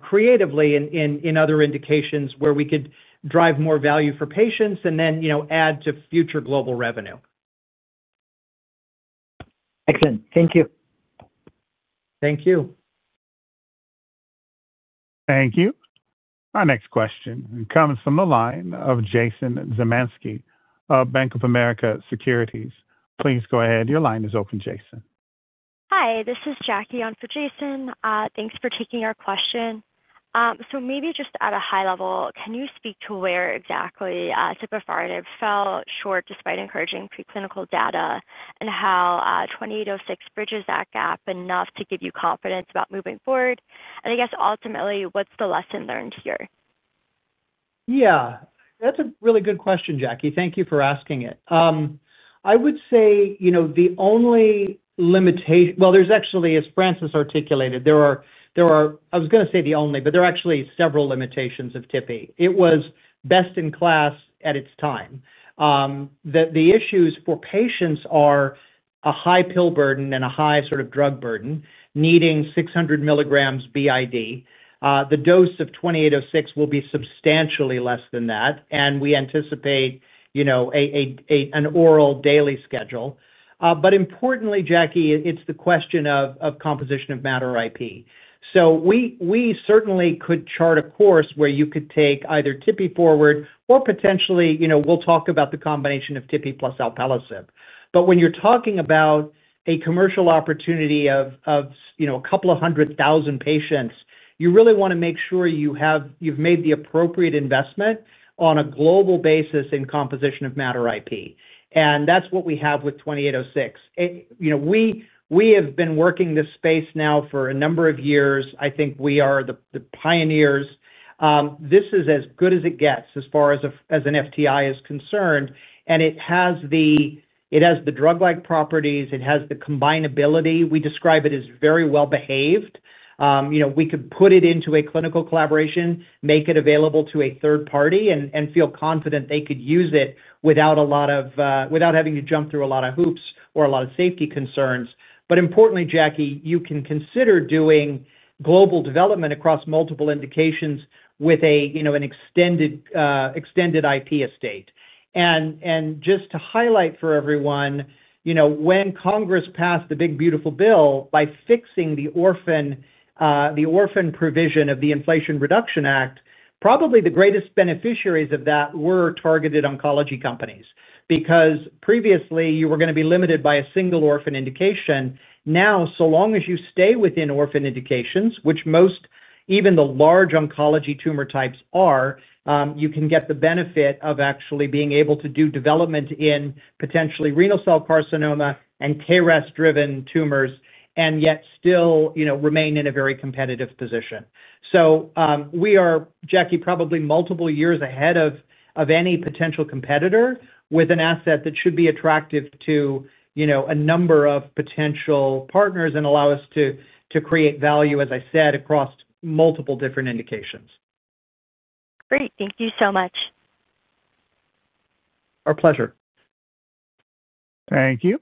creatively in other indications where we could drive more value for patients and then, you know, add to future global revenue. Excellent. Thank you. Thank you. Thank you. Our next question comes from the line of Jason Zemansky of Bank of America Securities. Please go ahead. Your line is open, Jason. Hi, this is Jackie on for Jason. Thanks for taking our question. Maybe just at a high level, can you speak to where exactly tipifarnib fell short despite encouraging preclinical data, and how 2806 bridges that gap enough to give you confidence about moving forward? I guess ultimately, what's the lesson learned here? Yeah, that's a really good question, Jackie. Thank you for asking it. I would say, you know, the only limitation, as Francis articulated, there are, I was going to say the only, but there are actually several limitations of tipifarnib. It was best in class at its time. The issues for patients are a high pill burden and a high sort of drug burden, needing 600 mg BID. The dose of 2806 will be substantially less than that, and we anticipate, you know, an oral daily schedule. Importantly, Jackie, it's the question of composition of matter IP. We certainly could chart a course where you could take either tipifarnib forward or potentially, you know, we'll talk about the combination of tipifarnib plus alpelisib. When you're talking about a commercial opportunity of, you know, a couple of hundred thousand patients, you really want to make sure you've made the appropriate investment on a global basis in composition of matter IP, and that's what we have with 2806. We have been working this space now for a number of years. I think we are the pioneers. This is as good as it gets as far as an FTI is concerned, and it has the drug-like properties. It has the combinability. We describe it as very well-behaved. We could put it into a clinical collaboration, make it available to a third party, and feel confident they could use it without having to jump through a lot of hoops or a lot of safety concerns. Importantly, Jackie, you can consider doing global development across multiple indications with an extended IP estate. Just to highlight for everyone, when Congress passed the big beautiful bill by fixing the orphan provision of the Inflation Reduction Act, probably the greatest beneficiaries of that were targeted oncology companies because previously you were going to be limited by a single orphan indication. Now, so long as you stay within orphan indications, which most, even the large oncology tumor types are, you can get the benefit of actually being able to do development in potentially renal cell carcinoma and KRAS-driven tumors and yet still remain in a very competitive position. We are, Jackie, probably multiple years ahead of any potential competitor with an asset that should be attractive to, you know, a number of potential partners and allow us to create value, as I said, across multiple different indications. Great. Thank you so much. Our pleasure. Thank you.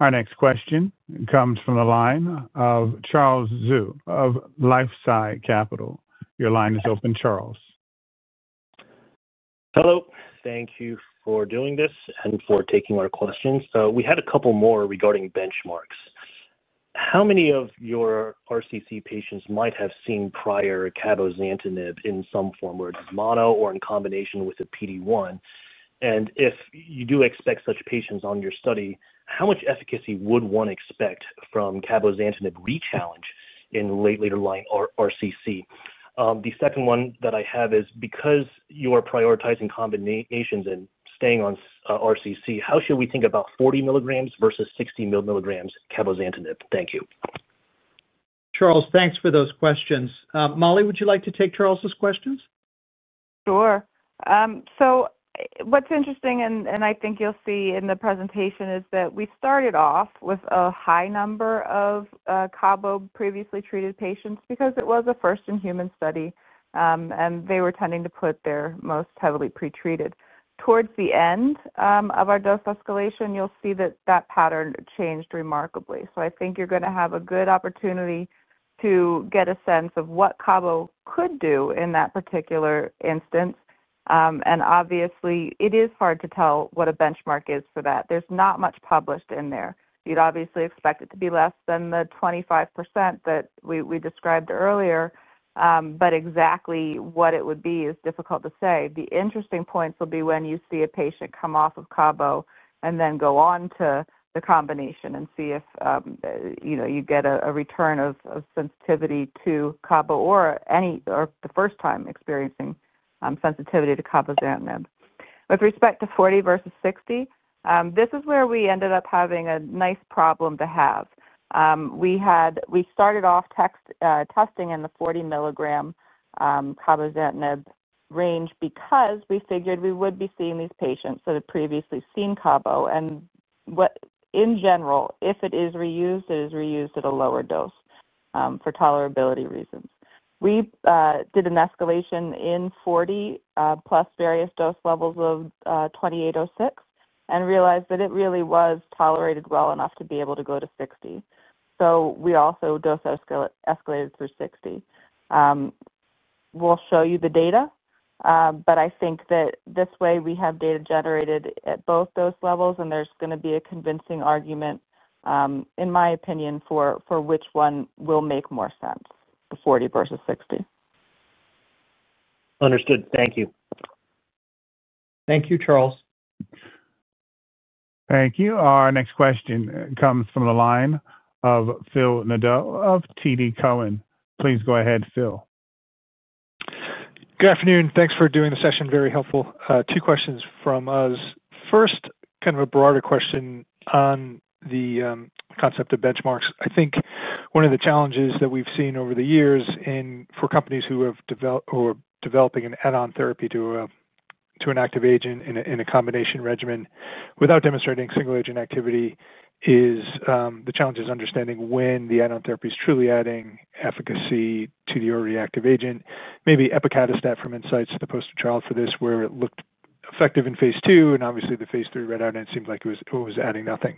Our next question comes from the line of Charles Zhu of LifeSci Capital. Your line is open, Charles. Hello. Thank you for doing this and for taking our questions. We had a couple more regarding benchmarks. How many of your RCC patients might have seen prior cabozantinib in some form, whether it's mono or in combination with a PD-1? If you do expect such patients on your study, how much efficacy would one expect from cabozantinib rechallenge in later line RCC? The second one that I have is, because you are prioritizing combinations and staying on RCC, how should we think about 40 mg versus 60 mg cabozantinib? Thank you. Charles, thanks for those questions. Mollie, would you like to take Charles's questions? Sure. What's interesting, and I think you'll see in the presentation, is that we started off with a high number of cabo previously treated patients because it was a first-in-human study, and they were tending to put their most heavily pretreated. Towards the end of our dose escalation, you'll see that pattern changed remarkably. I think you're going to have a good opportunity to get a sense of what cabo could do in that particular instance, and obviously, it is hard to tell what a benchmark is for that. There's not much published in there. You'd obviously expect it to be less than the 25% that we described earlier, but exactly what it would be is difficult to say. The interesting points will be when you see a patient come off of cabo and then go on to the combination and see if you get a return of sensitivity to cabo or the first time experiencing sensitivity to cabozantinib. With respect to 40 mg versus 60 mg, this is where we ended up having a nice problem to have. We started off testing in the 40 mg cabozantinib range because we figured we would be seeing these patients that have previously seen cabo, and in general, if it is reused, it is reused at a lower dose for tolerability reasons. We did an escalation in 40 mg plus various dose levels of 2806 and realized that it really was tolerated well enough to be able to go to 60 mg. We also dose escalated through 60 mg. We'll show you the data, but I think that this way we have data generated at both dose levels, and there's going to be a convincing argument, in my opinion, for which one will make more sense, the 40 mg versus 60 mg. Understood. Thank you. Thank you, Charles. Thank you. Our next question comes from the line of Phil Nadeau of TD Cowen. Please go ahead, Phil. Good afternoon. Thanks for doing the session. Very helpful. Two questions from us. First, kind of a broader question on the concept of benchmarks. I think one of the challenges that we've seen over the years for companies who are developing an add-on therapy to an active agent in a combination regimen without demonstrating single-agent activity is the challenge is understanding when the add-on therapy is truly adding efficacy to the already active agent. Maybe epacadostat from Incyte is the poster child for this, where it looked effective in phase II, and obviously the phase III readout, and it seemed like it was adding nothing.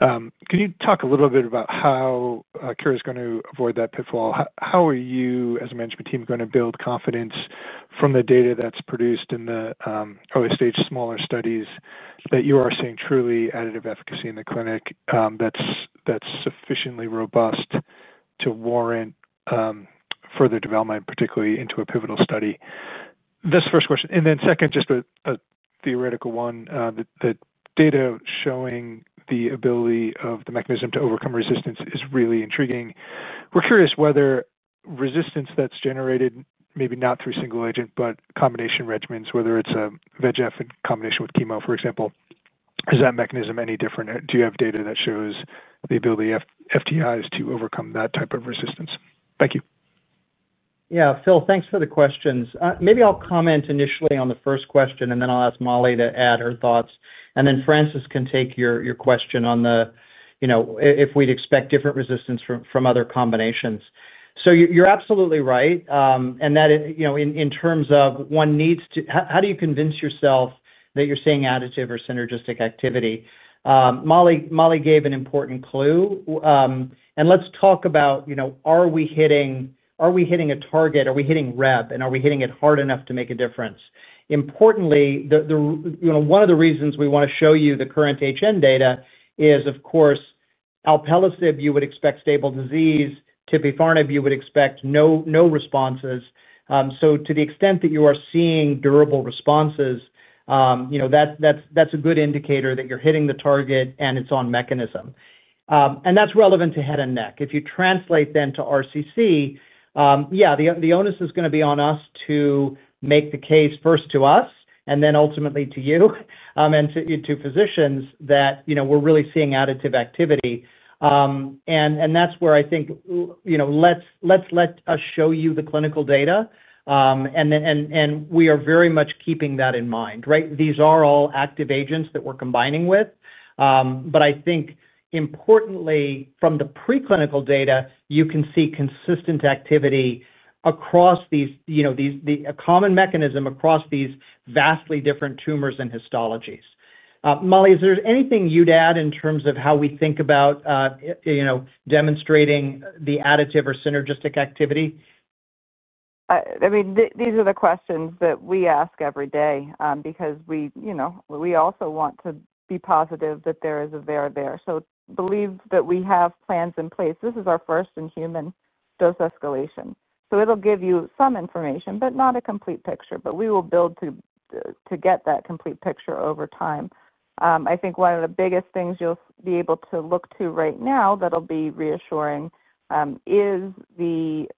Can you talk a little bit about how Kura is going to avoid that pitfall? How are you, as a management team, going to build confidence from the data that's produced in the early stage smaller studies that you are seeing truly additive efficacy in the clinic that's sufficiently robust to warrant further development, particularly into a pivotal study? That's the first question. Second, just a theoretical one, the data showing the ability of the mechanism to overcome resistance is really intriguing. We're curious whether resistance that's generated, maybe not through single agent, but combination regimens, whether it's a VEGF in combination with chemo, for example, is that mechanism any different? Do you have data that shows the ability of FTIs to overcome that type of resistance? Thank you. Yeah, Phil, thanks for the questions. Maybe I'll comment initially on the first question, and then I'll ask Mollie to add her thoughts, and then Francis can take your question on the, you know, if we'd expect different resistance from other combinations. You're absolutely right, in terms of one needs to, how do you convince yourself that you're seeing additive or synergistic activity? Mollie gave an important clue, and let's talk about, you know, are we hitting a target? Are we hitting Rheb, and are we hitting it hard enough to make a difference? Importantly, one of the reasons we want to show you the current head and neck data is, of course, alpelisib, you would expect stable disease. Tipifarnib, you would expect no responses. To the extent that you are seeing durable responses, that's a good indicator that you're hitting the target and it's on mechanism, and that's relevant to head and neck. If you translate then to RCC, the onus is going to be on us to make the case first to us and then ultimately to you and to physicians that we're really seeing additive activity, and that's where I think, let us show you the clinical data, and we are very much keeping that in mind, right? These are all active agents that we're combining with, but I think importantly, from the preclinical data, you can see consistent activity across these, a common mechanism across these vastly different tumors and histologies. Mollie, is there anything you'd add in terms of how we think about demonstrating the additive or synergistic activity? These are the questions that we ask every day because we also want to be positive that there is a there there. We believe that we have plans in place. This is our first in-human dose escalation, so it'll give you some information, but not a complete picture. We will build to get that complete picture over time. I think one of the biggest things you'll be able to look to right now that'll be reassuring is the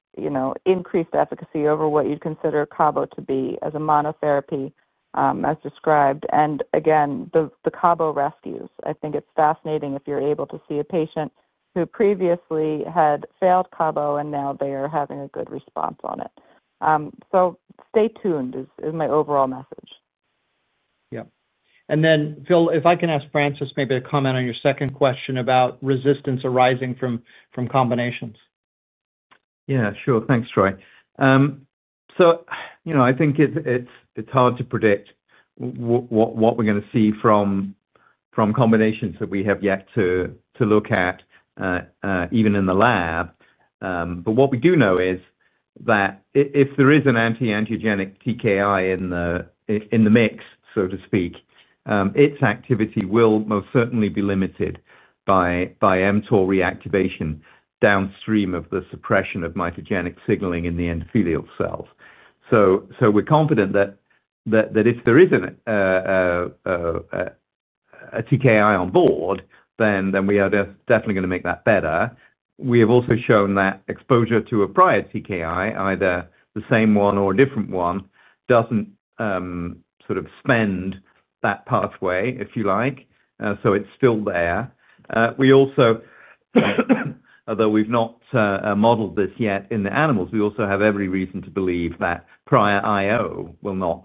increased efficacy over what you'd consider cabo to be as a monotherapy, as described, and again, the cabo rescues. I think it's fascinating if you're able to see a patient who previously had failed cabo and now they are having a good response on it. Stay tuned is my overall message. Yeah. Phil, if I can ask Francis, maybe a comment on your second question about resistance arising from combinations. Yeah, sure. Thanks, Troy. I think it's hard to predict what we're going to see from combinations that we have yet to look at, even in the lab, but what we do know is that if there is an anti-angiogenic TKI in the mix, so to speak, its activity will most certainly be limited by mTORC1 reactivation downstream of the suppression of mitogenic signaling in the endothelial cells. We're confident that if there is a TKI on board, then we are definitely going to make that better. We have also shown that exposure to a prior TKI either the same one or a different one, doesn't sort of spend that pathway, if you like, so it's still there. Although we've not modeled this yet in the animals, we also have every reason to believe that prior IO will not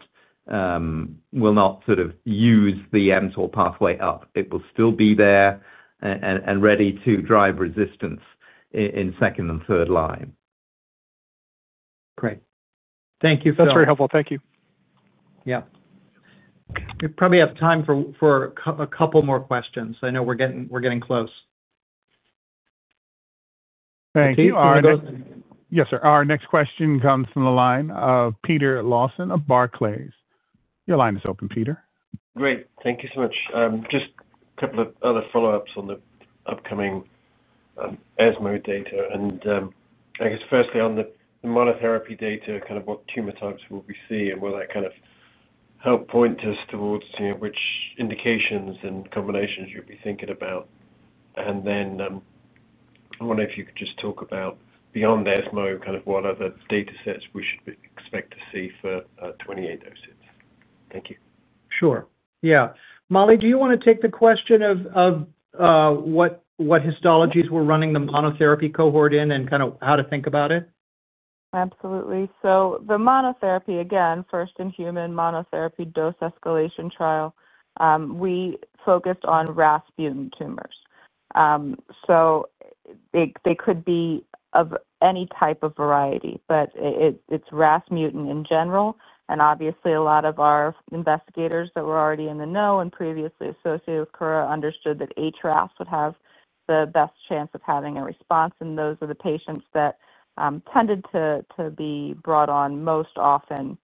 sort of use the mTORC pathway up. It will still be there and ready to drive resistance in second and third line. Great. Thank you, Phil. That's very helpful. Thank you. Yeah, we probably have time for a couple more questions. I know we're getting close. Thank you. Yes, sir. Our next question comes from the line of Peter Lawson of Barclays. Your line is open, Peter. Great. Thank you so much. Just a couple of other follow-ups on the upcoming ESMO data. Firstly, on the monotherapy data, what tumor types will we see, and will that help point us towards which indications and combinations you'd be thinking about? I wonder if you could just talk about beyond the ESMO, what other data sets we should expect to see for 28 doses. Thank you. Sure. Mollie, do you want to take the question of what histologies we're running the monotherapy cohort in and kind of how to think about it? Absolutely. The monotherapy, again, first-in-human monotherapy dose escalation trial, we focused on RAS mutant tumors. They could be of any type of variety, but it's RAS mutant in general, and obviously a lot of our investigators that were already in the know and previously associated with Kura understood that HRAS would have the best chance of having a response, and those are the patients that tended to be brought on most often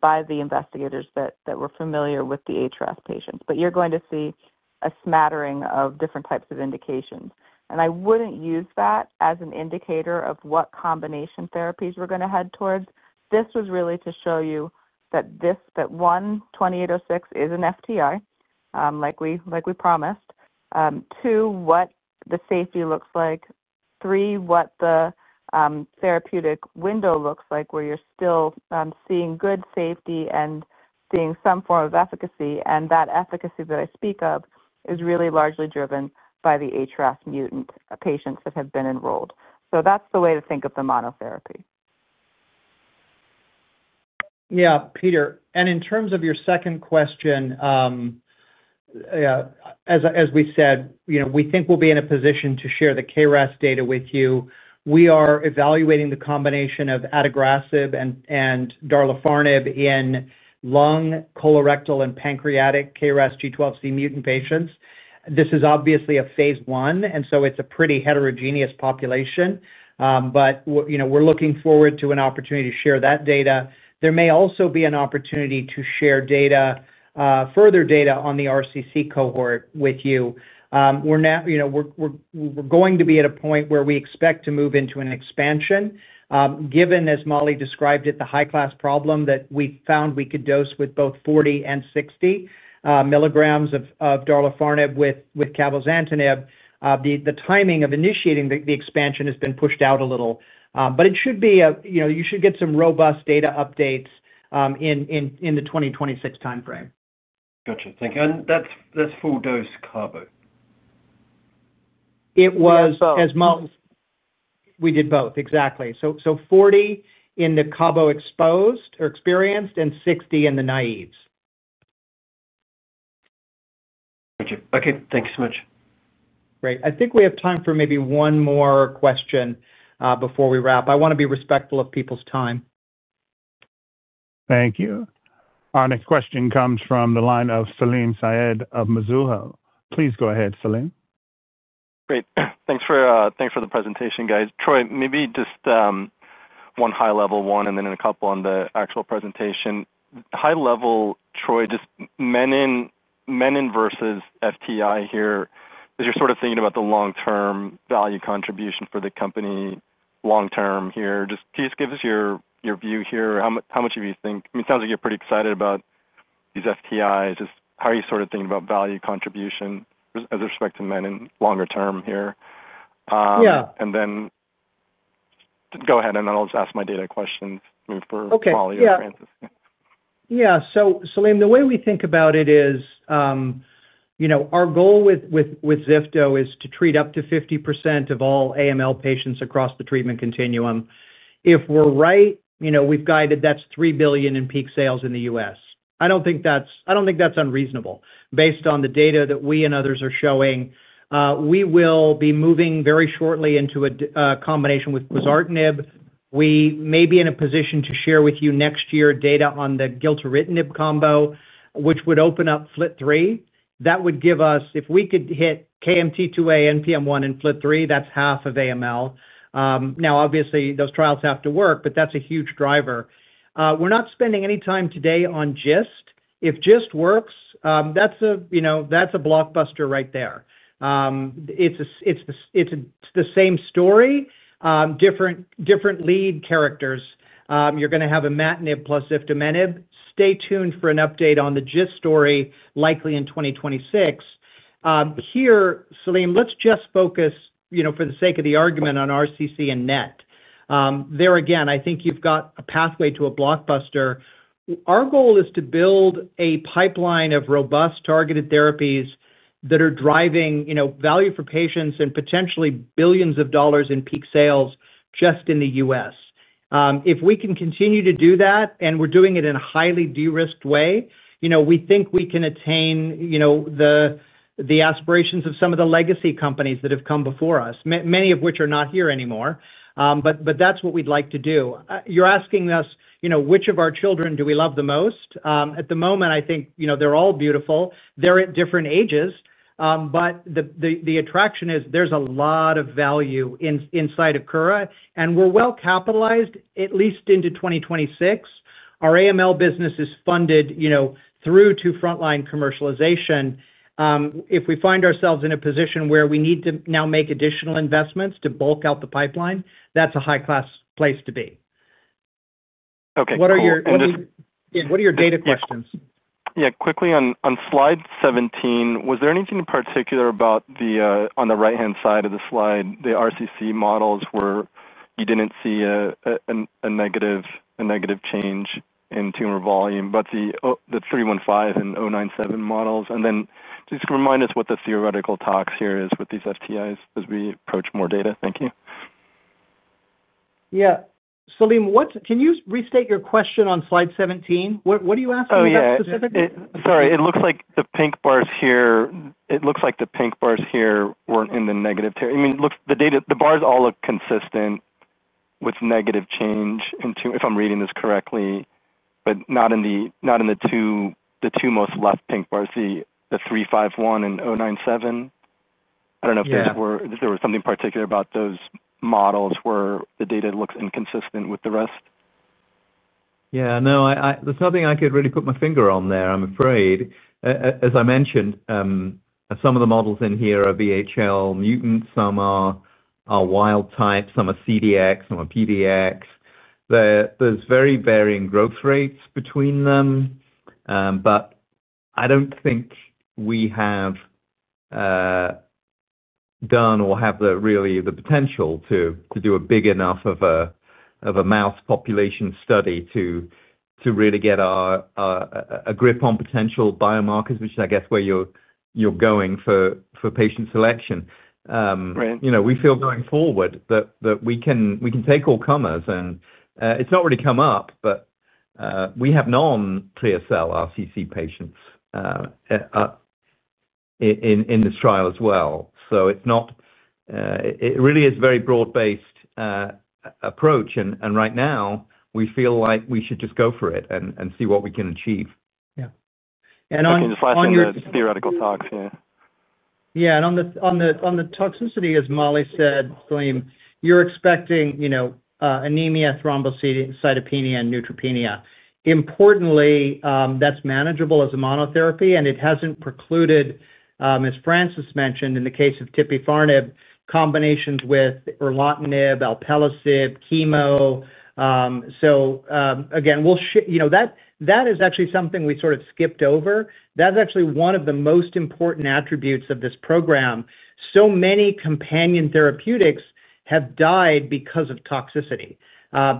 by the investigators that were familiar with the HRAS patients. You're going to see a smattering of different types of indications, and I wouldn't use that as an indicator of what combination therapies we're going to head towards. This was really to show you that, one, 2806 is an FTI, like we promised. Two, what the safety looks like. Three, what the therapeutic window looks like where you're still seeing good safety and seeing some form of efficacy, and that efficacy that I speak of is really largely driven by the HRAS mutant patients that have been enrolled. That's the way to think of the monotherapy. Yeah, Peter. In terms of your second question, as we said, we think we'll be in a position to share the KRAS data with you. We are evaluating the combination of adagrasib and darlifarnib in lung, colorectal, and pancreatic KRAS G12C mutant patients. This is obviously a phase I, and so it's a pretty heterogeneous population, but we're looking forward to an opportunity to share that data. There may also be an opportunity to share further data on the RCC cohort with you. We're going to be at a point where we expect to move into an expansion, given, as Mollie described it, the high-class problem that we found we could dose with both 40 mg and 60 mg of darlifarnib with cabozantinib. The timing of initiating the expansion has been pushed out a little, but it should be a, you know, you should get some robust data updates in the 2026 timeframe. Gotcha. Thank you. That's full dose cabozantinib? It was ESMO. We did both, exactly. 40 mg in the cabo-exposed or experienced and 60 mg in the naive. Gotcha. Okay, thank you so much. Great. I think we have time for maybe one more question before we wrap. I want to be respectful of people's time. Thank you. Our next question comes from the line of Salim Syed of Mizuho. Please go ahead, Selene. Great. Thanks for the presentation, guys. Troy, maybe just one high-level one and then a couple on the actual presentation. High-level, Troy, just menin versus FTI here, because you're sort of thinking about the long-term value contribution for the company long-term here. Just please give us your view here. How much of you think, I mean, it sounds like you're pretty excited about these FTIs. Just how are you sort of thinking about value contribution as a respect to menin longer term here? Yeah. Go ahead, and then I'll just ask my data questions, move forward to Mollie or Francis. Yeah. Yeah. Salim, the way we think about it is, you know, our goal with ziftomenib is to treat up to 50% of all AML patients across the treatment continuum. If we're right, you know, we've guided that's $3 billion in peak sales in the U.S. I don't think that's unreasonable based on the data that we and others are showing. We will be moving very shortly into a combination with [prezardinib]. We may be in a position to share with you next year data on the gilteritinib combo, which would open up FLT3. That would give us, if we could hit KMT2A and NPM1 and FLT3, that's half of AML. Obviously, those trials have to work, but that's a huge driver. We're not spending any time today on GIST. If GIST works, that's a blockbuster right there. It's the same story, different lead characters. You're going to have a imatinib plus Ziftomenib. Stay tuned for an update on the GIST story likely in 2026. Here, Salim, let's just focus, you know, for the sake of the argument on RCC and NET. There again, I think you've got a pathway to a blockbuster. Our goal is to build a pipeline of robust targeted therapies that are driving, you know, value for patients and potentially billions of dollars in peak sales just in the U.S. If we can continue to do that, and we're doing it in a highly de-risked way, you know, we think we can attain, you know, the aspirations of some of the legacy companies that have come before us, many of which are not here anymore, but that's what we'd like to do. You're asking us, you know, which of our children do we love the most? At the moment, I think, you know, they're all beautiful. They're at different ages, but the attraction is there's a lot of value inside of Kura, and we're well capitalized at least into 2026. Our AML business is funded, you know, through to frontline commercialization. If we find ourselves in a position where we need to now make additional investments to bulk out the pipeline, that's a high-class place to be. Okay. What are your data questions? Yeah, quickly on slide 17, was there anything in particular about the, on the right-hand side of the slide, the RCC models where you didn't see a negative change in tumor volume, but the 315 and 097 models? Just remind us what the theoretical talks here is with these FTIs as we approach more data. Thank you. Yeah. Selene, can you restate your question on slide 17? What, you Asked about specific data. Oh, yeah. Sorry. It looks like the pink bars here weren't in the negative Tier. I mean, look, the data, the bars all look consistent with negative change in two, if I'm reading this correctly, but not in the two most left pink bars, the 351 and 097. I don't know if there were something particular about those models where the data looks inconsistent with the rest. Yeah, no, there's nothing I could really put my finger on there, I'm afraid. As I mentioned, some of the models in here are VHL mutants, some are wild types, some are CDX, some are PDX. There are very varying growth rates between them. I don't think we have done or have the potential to do a big enough mouse population study to really get a grip on potential biomarkers, which is, I guess, where you're going for patient selection. We feel going forward that we can take all comers and it's not really come up, but we have non-clear cell RCC patients in this trial as well. It really is a very broad-based approach. Right now, we feel like we should just go for it and see what we can achieve. Yeah. On the toxicity, as Mollie said, you're expecting, you know, anemia, thrombocytopenia, and neutropenia. Importantly, that's manageable as a monotherapy and it hasn't precluded, as Francis mentioned in the case of tipifarnib, combinations with erlotinib, alpelisib, chemo. That is actually something we sort of skipped over. That's actually one of the most important attributes of this program. So many companion therapeutics have died because of toxicity.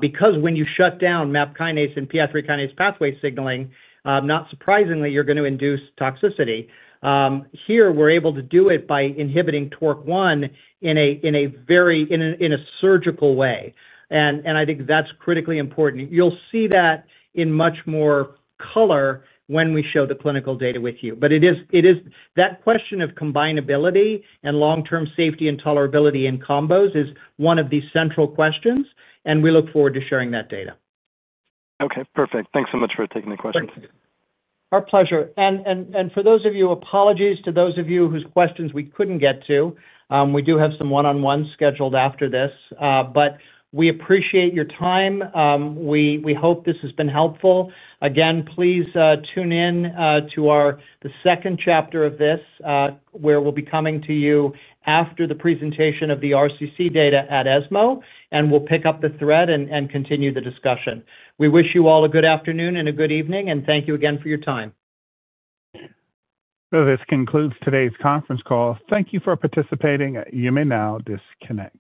Because when you shut down MAP kinase and PI3 kinase pathway signaling, not surprisingly, you're going to induce toxicity. Here, we're able to do it by inhibiting TORC1 in a very, in a surgical way. I think that's critically important. You'll see that in much more color when we show the clinical data with you. It is that question of combinability and long-term safety and tolerability in combos that is one of the central questions. We look forward to sharing that data. Okay, perfect. Thanks so much for taking the questions. Our pleasure. Apologies to those of you whose questions we couldn't get to. We do have some one-on-ones scheduled after this. We appreciate your time and hope this has been helpful. Please tune in to the second chapter of this, where we'll be coming to you after the presentation of the RCC data at ESMO. We'll pick up the thread and continue the discussion. We wish you all a good afternoon and a good evening. Thank you again for your time. This concludes today's conference call. Thank you for participating. You may now disconnect.